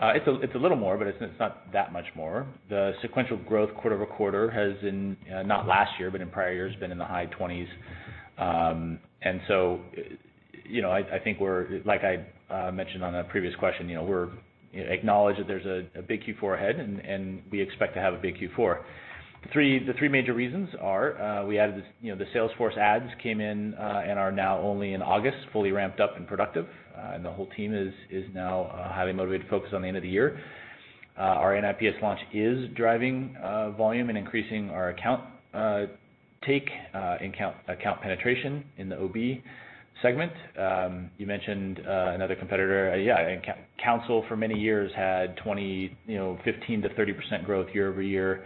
[SPEAKER 3] it's a little more, but it's not that much more. The sequential growth quarter-over-quarter has been, not last year, but in prior years, been in the high 20s. I think like I mentioned on a previous question, we acknowledge that there's a big Q4 ahead and we expect to have a big Q4. The three major reasons are, we added the sales force adds came in and are now only in August, fully ramped up and productive. The whole team is now highly motivated to focus on the end of the year. Our NIPS launch is driving volume and increasing our account take and account penetration in the OB segment. You mentioned another competitor. Yeah, Counsyl for many years had 15%-30% growth year-over-year.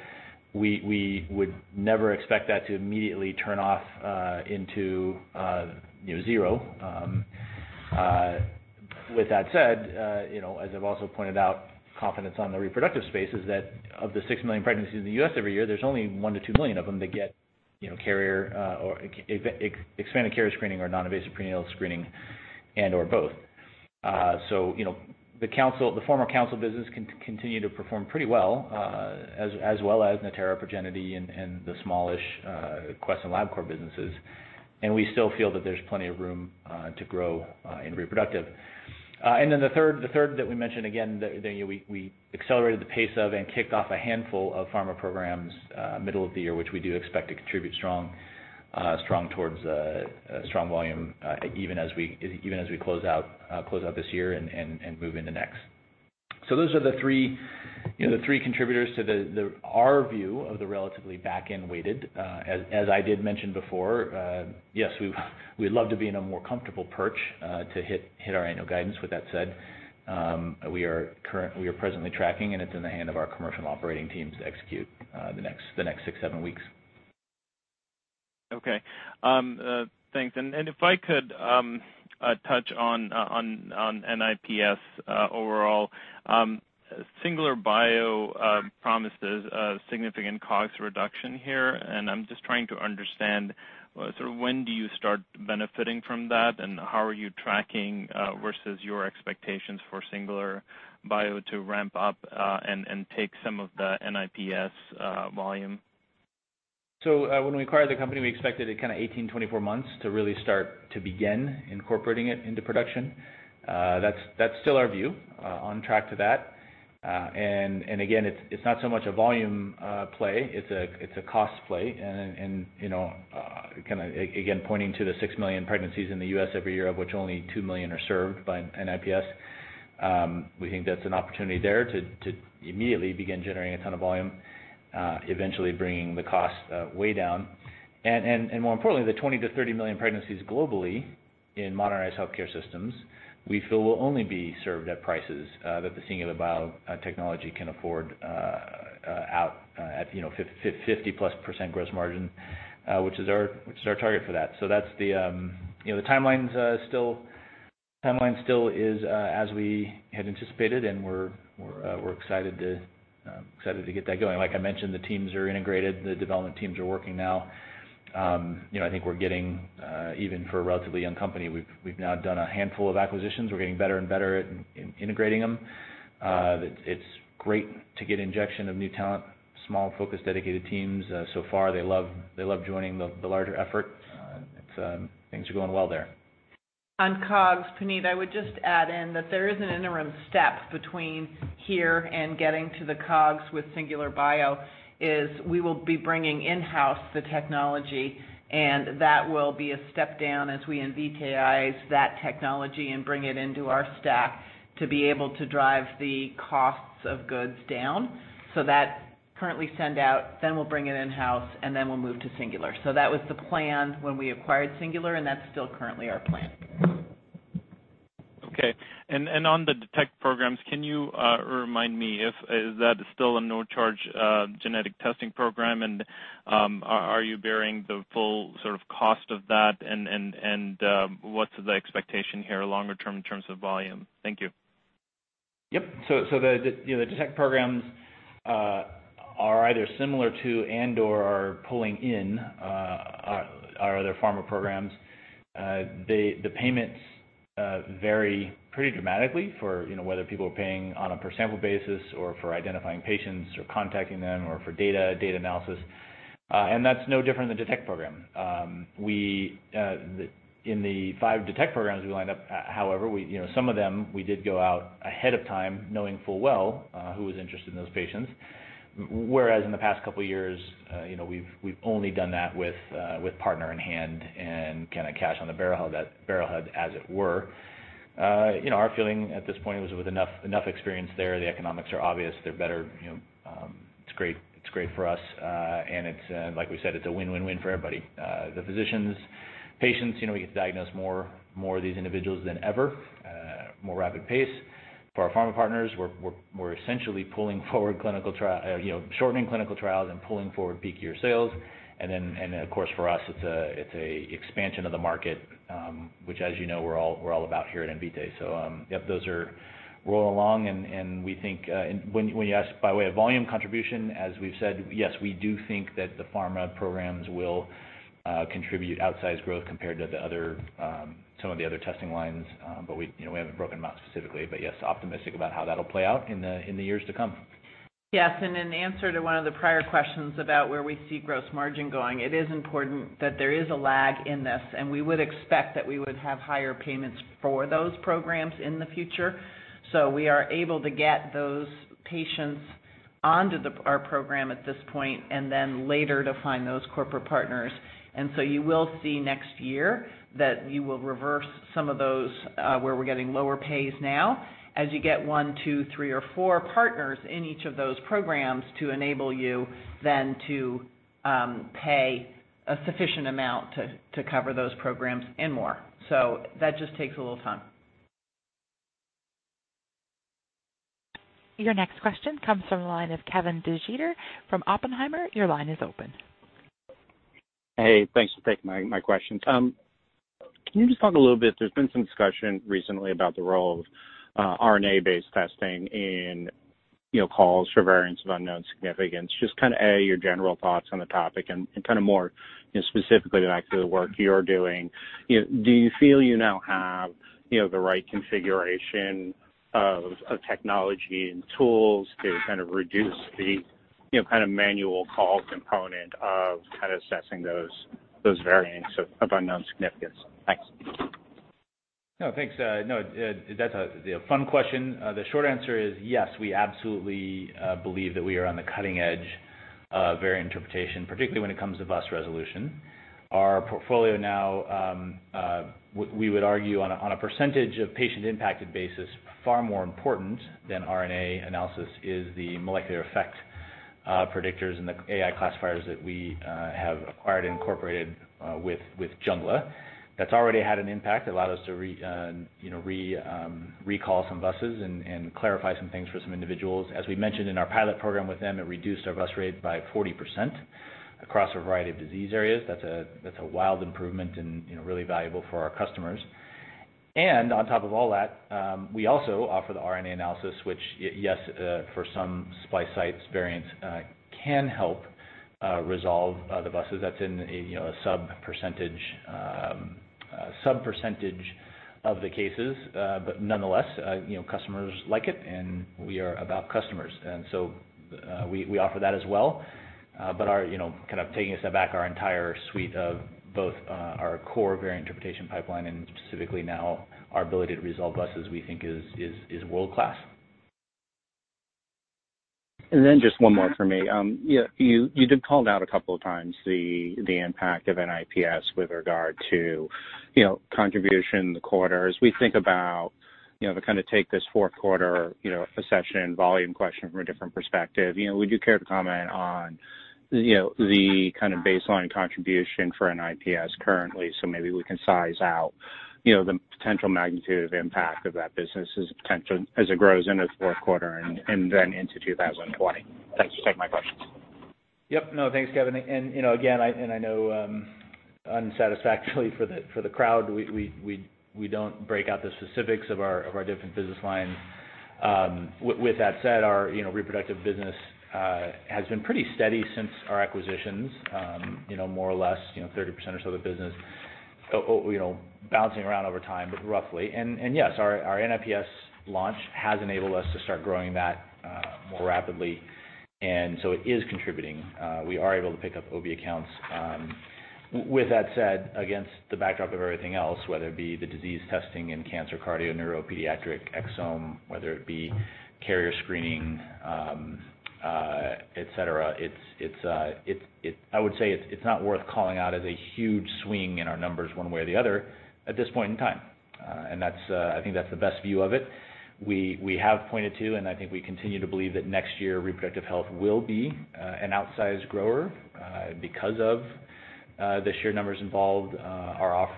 [SPEAKER 3] We would never expect that to immediately turn off into zero. With that said, as I've also pointed out, confidence on the reproductive space is that of the 6 million pregnancies in the U.S. every year, there's only 1 million to 2 million of them that get expanded carrier screening or non-invasive prenatal screening and/or both. The former Counsyl business can continue to perform pretty well, as well as Natera, Progenity, and the smallish Quest and LabCorp businesses. We still feel that there's plenty of room to grow in reproductive. The third that we mentioned again, that we accelerated the pace of and kicked off a handful of pharma programs, middle of the year, which we do expect to contribute strong towards strong volume, even as we close out this year and move into next. Those are the three contributors to our view of the relatively back-end weighted, as I did mention before. Yes, we'd love to be in a more comfortable perch to hit our annual guidance. With that said, we are presently tracking, and it's in the hand of our commercial operating teams to execute the next six, seven weeks.
[SPEAKER 10] Okay. Thanks. If I could touch on NIPS overall. Singular Bio promises a significant COGS reduction here, and I'm just trying to understand sort of when do you start benefiting from that, and how are you tracking versus your expectations for Singular Bio to ramp up and take some of the NIPS volume?
[SPEAKER 3] When we acquired the company, we expected it kind of 18-24 months to really start to begin incorporating it into production. That's still our view, on track to that. Again, it's not so much a volume play, it's a cost play. Again, pointing to the 6 million pregnancies in the U.S. every year, of which only 2 million are served by a NIPS, we think that's an opportunity there to immediately begin generating a ton of volume, eventually bringing the cost way down. More importantly, the 20 million-30 million pregnancies globally in modernized healthcare systems, we feel will only be served at prices that the Singular Bio can afford out at 50%+ gross margin, which is our target for that. The timeline still is as we had anticipated, and we're excited to get that going. Like I mentioned, the teams are integrated. The development teams are working now. I think we're getting, even for a relatively young company, we've now done a handful of acquisitions. We're getting better and better at integrating them. It's great to get injection of new talent, small, focused, dedicated teams. So far they love joining the larger effort. Things are going well there.
[SPEAKER 4] On COGS, Puneet, I would just add in that there is an interim step between here and getting to the COGS with Singular Bio, is we will be bringing in-house the technology, and that will be a step down as we Invitae that technology and bring it into our stack to be able to drive the costs of goods down. That currently send out, then we'll bring it in-house, and then we'll move to Singular. That was the plan when we acquired Singular, and that's still currently our plan.
[SPEAKER 10] Okay. On the Detect programs, can you remind me if that is still a no-charge genetic testing program and are you bearing the full sort of cost of that and what's the expectation here longer term in terms of volume? Thank you.
[SPEAKER 3] Yep. The Detect programs are either similar to and/or are pulling in our other pharma programs. The payments vary pretty dramatically for whether people are paying on a per sample basis or for identifying patients or contacting them or for data analysis. That's no different than Detect program. In the 5 Detect programs we lined up, however, some of them we did go out ahead of time knowing full well who was interested in those patients, whereas in the past couple of years, we've only done that with partner in hand and kind of cash on the barrelhead as it were. Our feeling at this point was with enough experience there, the economics are obvious, they're better, it's great for us. It's like we said, it's a win-win-win for everybody. The physicians, patients, we get to diagnose more of these individuals than ever, more rapid pace. For our pharma partners, we're essentially shortening clinical trials and pulling forward peak year sales. Of course, for us, it's an expansion of the market, which as you know, we're all about here at Invitae. Yep, those are rolling along and we think when you ask by way of volume contribution, as we've said, yes, we do think that the pharma programs will contribute outsized growth compared to some of the other testing lines. We haven't broken them out specifically. Yes, optimistic about how that'll play out in the years to come.
[SPEAKER 4] Yes. In answer to one of the prior questions about where we see gross margin going, it is important that there is a lag in this, and we would expect that we would have higher payments for those programs in the future. We are able to get those patients onto our program at this point and then later to find those corporate partners. You will see next year that you will reverse some of those where we're getting lower pays now as you get one, two, three, or four partners in each of those programs to enable you then to pay a sufficient amount to cover those programs and more. That just takes a little time.
[SPEAKER 1] Your next question comes from the line of Kevin DeGeeter from Oppenheimer. Your line is open.
[SPEAKER 11] Hey, thanks for taking my questions. Can you just talk a little, there's been some discussion recently about the role of RNA-based testing in calls for variants of unknown significance. Just kind of, A, your general thoughts on the topic and kind of more specifically back to the work you're doing, do you feel you now have the right configuration of technology and tools to kind of reduce the kind of manual call component of kind of assessing those variants of unknown significance? Thanks.
[SPEAKER 3] No, thanks. That's a fun question. The short answer is yes, we absolutely believe that we are on the cutting edge of variant interpretation, particularly when it comes to VUS resolution. Our portfolio now, we would argue on a percentage of patient-impacted basis, far more important than RNA analysis is the molecular effect predictors and the AI classifiers that we have acquired and incorporated with Jungla. That's already had an impact. It allowed us to recall some VUSs and clarify some things for some individuals. As we mentioned in our pilot program with them, it reduced our VUS rate by 40% across a variety of disease areas. That's a wild improvement and really valuable for our customers. On top of all that, we also offer the RNA analysis, which, yes, for some splice sites variants can help resolve the VUSs. That's in a sub-percentage of the cases. Nonetheless, customers like it, and we are about customers. We offer that as well. Kind of taking a step back, our entire suite of both our core variant interpretation pipeline and specifically now our ability to resolve VUSs, we think is world-class.
[SPEAKER 11] Just one more from me. You did call out a couple of times the impact of NIPS with regard to contribution in the quarters. We think about, to kind of take this fourth quarter session volume question from a different perspective, would you care to comment on the kind of baseline contribution for NIPS currently, so maybe we can size out the potential magnitude of impact of that business as it grows into fourth quarter and then into 2020? Thanks. Those are my questions.
[SPEAKER 3] Yep. No, thanks, Kevin. Again, I know unsatisfactorily for the crowd, we don't break out the specifics of our different business lines. With that said, our reproductive business has been pretty steady since our acquisitions, more or less, 30% or so of the business bouncing around over time, but roughly. Yes, our NIPS launch has enabled us to start growing that more rapidly, it is contributing. We are able to pick up OB accounts. With that said, against the backdrop of everything else, whether it be the disease testing in cancer, cardio, neuro, pediatric, exome, whether it be carrier screening, et cetera, I would say it's not worth calling out as a huge swing in our numbers one way or the other at this point in time. I think that's the best view of it. We have pointed to, and I think we continue to believe that next year, reproductive health will be an outsized grower because of the sheer numbers involved, our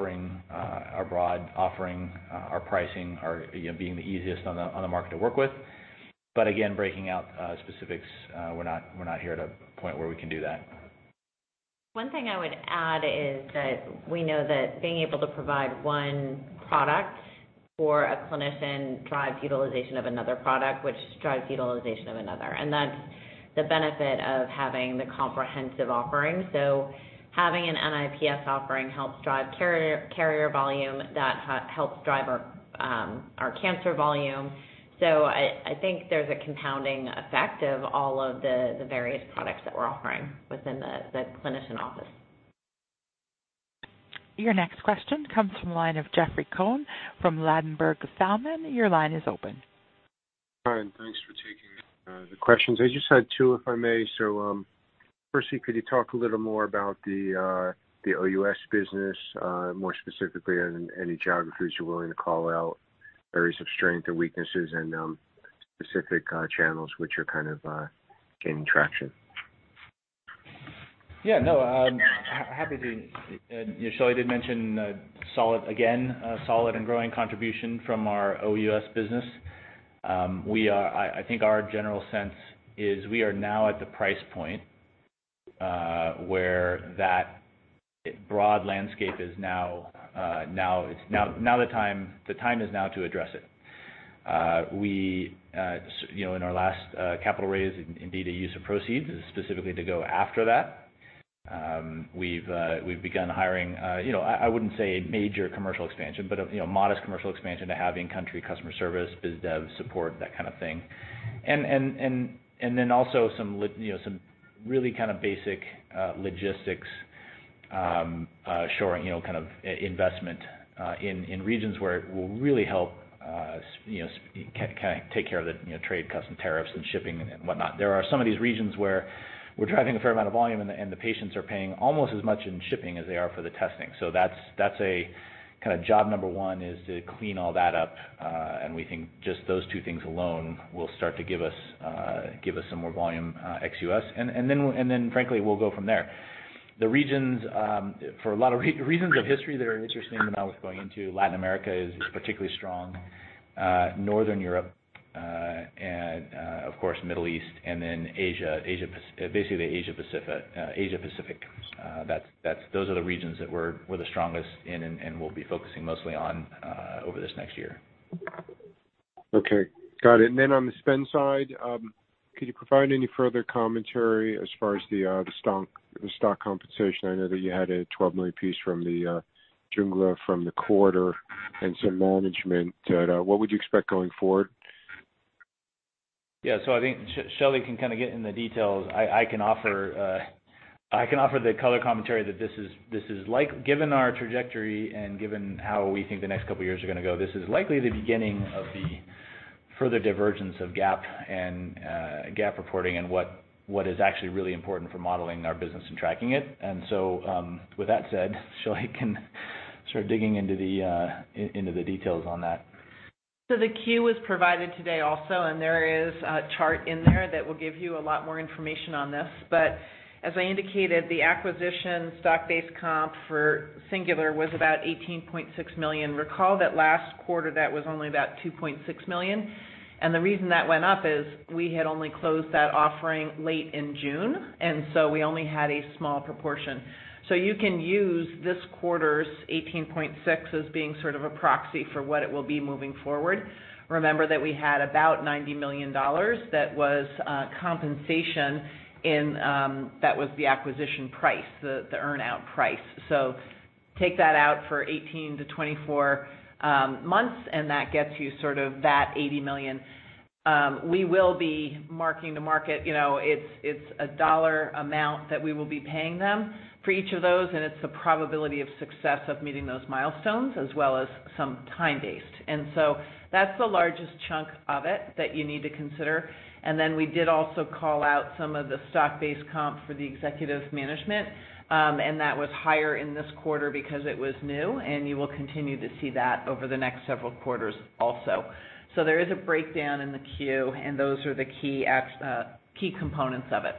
[SPEAKER 3] broad offering, our pricing, our being the easiest on the market to work with. Again, breaking out specifics, we're not here at a point where we can do that.
[SPEAKER 9] One thing I would add is that we know that being able to provide one product for a clinician drives utilization of another product, which drives utilization of another, and that's the benefit of having the comprehensive offering. Having an NIPS offering helps drive carrier volume. That helps drive our cancer volume. I think there's a compounding effect of all of the various products that we're offering within the clinician office.
[SPEAKER 1] Your next question comes from the line of Jeffrey Cohen from Ladenburg Thalmann. Your line is open.
[SPEAKER 12] Hi, and thanks for taking the questions. I just had two, if I may. Firstly, could you talk a little more about the OUS business, more specifically, any geographies you're willing to call out, areas of strength or weaknesses, and specific channels which are kind of gaining traction?
[SPEAKER 3] Yeah. No, happy to. Shelly did mention, again, a solid and growing contribution from our OUS business. I think our general sense is we are now at the price point, where that broad landscape, the time is now to address it. In our last capital raise, indeed, a use of proceeds is specifically to go after that. We've begun hiring, I wouldn't say a major commercial expansion, but a modest commercial expansion to having country customer service, biz dev support, that kind of thing. Then also some really kind of basic logistics shoring, kind of investment in regions where it will really help take care of the trade custom tariffs and shipping and whatnot. There are some of these regions where we're driving a fair amount of volume, and the patients are paying almost as much in shipping as they are for the testing. That's kind of job number one, is to clean all that up. We think just those two things alone will start to give us some more volume ex-U.S., and then frankly, we'll go from there. The regions, for a lot of reasons of history that are interesting that I was going into, Latin America is particularly strong. Northern Europe, and of course, Middle East, and then Asia, basically the Asia Pacific. Those are the regions that we're the strongest in and we'll be focusing mostly on over this next year.
[SPEAKER 12] Okay. Got it. On the spend side, could you provide any further commentary as far as the stock compensation? I know that you had a $12 million piece from the Singular from the quarter and some management. What would you expect going forward?
[SPEAKER 3] I think Shelly can kind of get into the details. I can offer the color commentary that given our trajectory and given how we think the next couple of years are going to go, this is likely the beginning of the further divergence of GAAP and GAAP reporting, and what is actually really important for modeling our business and tracking it. With that said, Shelly can start digging into the details on that.
[SPEAKER 4] The 10-Q was provided today also, and there is a chart in there that will give you a lot more information on this. As I indicated, the acquisition stock-based comp for Singular was about $18.6 million. Recall that last quarter, that was only about $2.6 million. The reason that went up is we had only closed that offering late in June, we only had a small proportion. You can use this quarter's $18.6 as being sort of a proxy for what it will be moving forward. Remember that we had about $90 million. That was compensation and that was the acquisition price, the earn-out price.
[SPEAKER 3] Take that out for 18 to 24 months, that gets you sort of that $80 million. We will be marking to market. It's a dollar amount that we will be paying them for each of those, and it's the probability of success of meeting those milestones as well as some time-based. That's the largest chunk of it that you need to consider. We did also call out some of the stock-based comp for the executive management, and that was higher in this quarter because it was new, and you will continue to see that over the next several quarters also. There is a breakdown in the 10-Q, and those are the key components of it.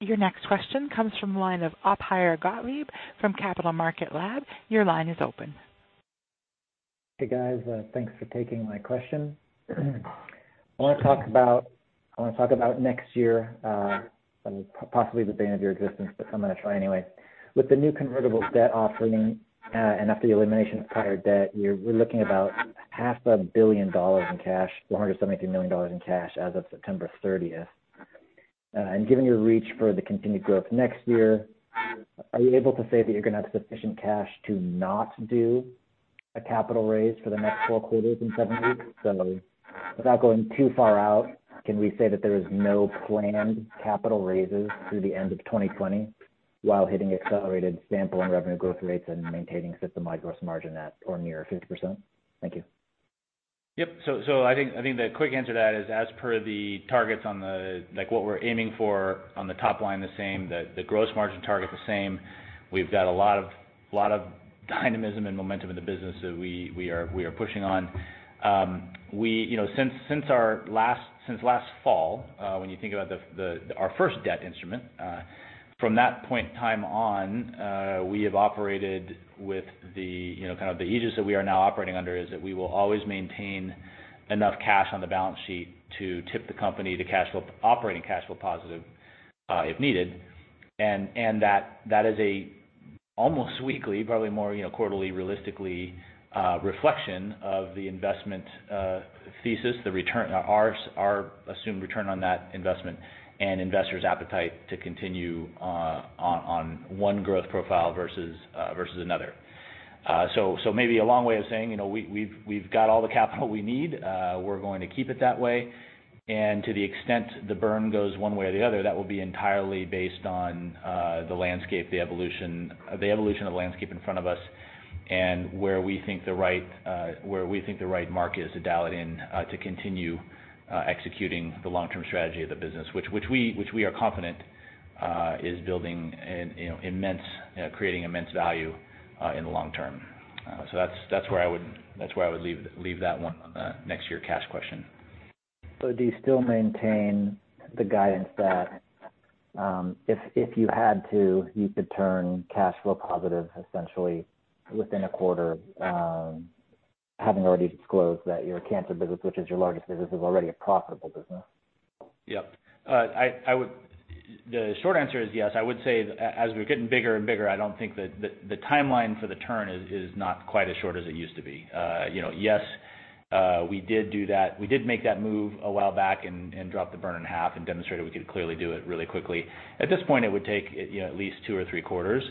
[SPEAKER 1] Your next question comes from the line of Ophir Gottlieb from Capital Market Laboratories. Your line is open.
[SPEAKER 13] Hey, guys. Thanks for taking my question. I want to talk about next year, possibly the bane of your existence, but I'm going to try anyway. With the new convertible debt offering, after the elimination of prior debt, you're looking at about half a billion dollars in cash, $470 million in cash as of September 30th. Given your reach for the continued growth next year, are you able to say that you're going to have sufficient cash to not do a capital raise for the next four quarters in seven weeks? Without going too far out, can we say that there is no planned capital raises through the end of 2020 while hitting accelerated sampling revenue growth rates and maintaining system-wide gross margin at or near 50%? Thank you.
[SPEAKER 3] Yep. I think the quick answer to that is as per the targets on what we're aiming for on the top line the same, the gross margin target the same. We've got a lot of dynamism and momentum in the business that we are pushing on. Since last fall, when you think about our first debt instrument, from that point in time on, we have operated with the aegis that we are now operating under is that we will always maintain enough cash on the balance sheet to tip the company to operating cash flow positive, if needed. That is a almost weekly, probably more quarterly realistically, reflection of the investment thesis, our assumed return on that investment, and investors' appetite to continue on one growth profile versus another. Maybe a long way of saying, we've got all the capital we need. We're going to keep it that way. To the extent the burn goes one way or the other, that will be entirely based on the evolution of the landscape in front of us and where we think the right mark is to dial it in to continue executing the long-term strategy of the business, which we are confident is building and creating immense value in the long term. That's where I would leave that one on the next year cash question.
[SPEAKER 13] Do you still maintain the guidance that, if you had to, you could turn cash flow positive essentially within a quarter, having already disclosed that your cancer business, which is your largest business, is already a profitable business?
[SPEAKER 3] Yep. The short answer is yes. I would say as we're getting bigger and bigger, I don't think that the timeline for the turn is not quite as short as it used to be. Yes, we did do that. We did make that move a while back and drop the burn in half and demonstrated we could clearly do it really quickly. At this point, it would take at least two or three quarters.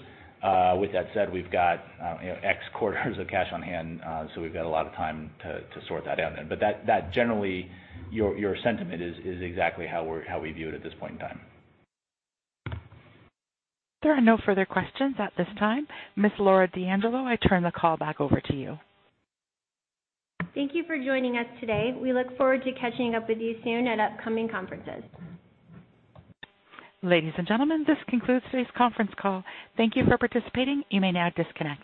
[SPEAKER 3] With that said, we've got X quarters of cash on hand, so we've got a lot of time to sort that out then. That generally, your sentiment is exactly how we view it at this point in time.
[SPEAKER 1] There are no further questions at this time. Ms. Laura D'Angelo, I turn the call back over to you.
[SPEAKER 2] Thank you for joining us today. We look forward to catching up with you soon at upcoming conferences.
[SPEAKER 1] Ladies and gentlemen, this concludes today's conference call. Thank you for participating. You may now disconnect.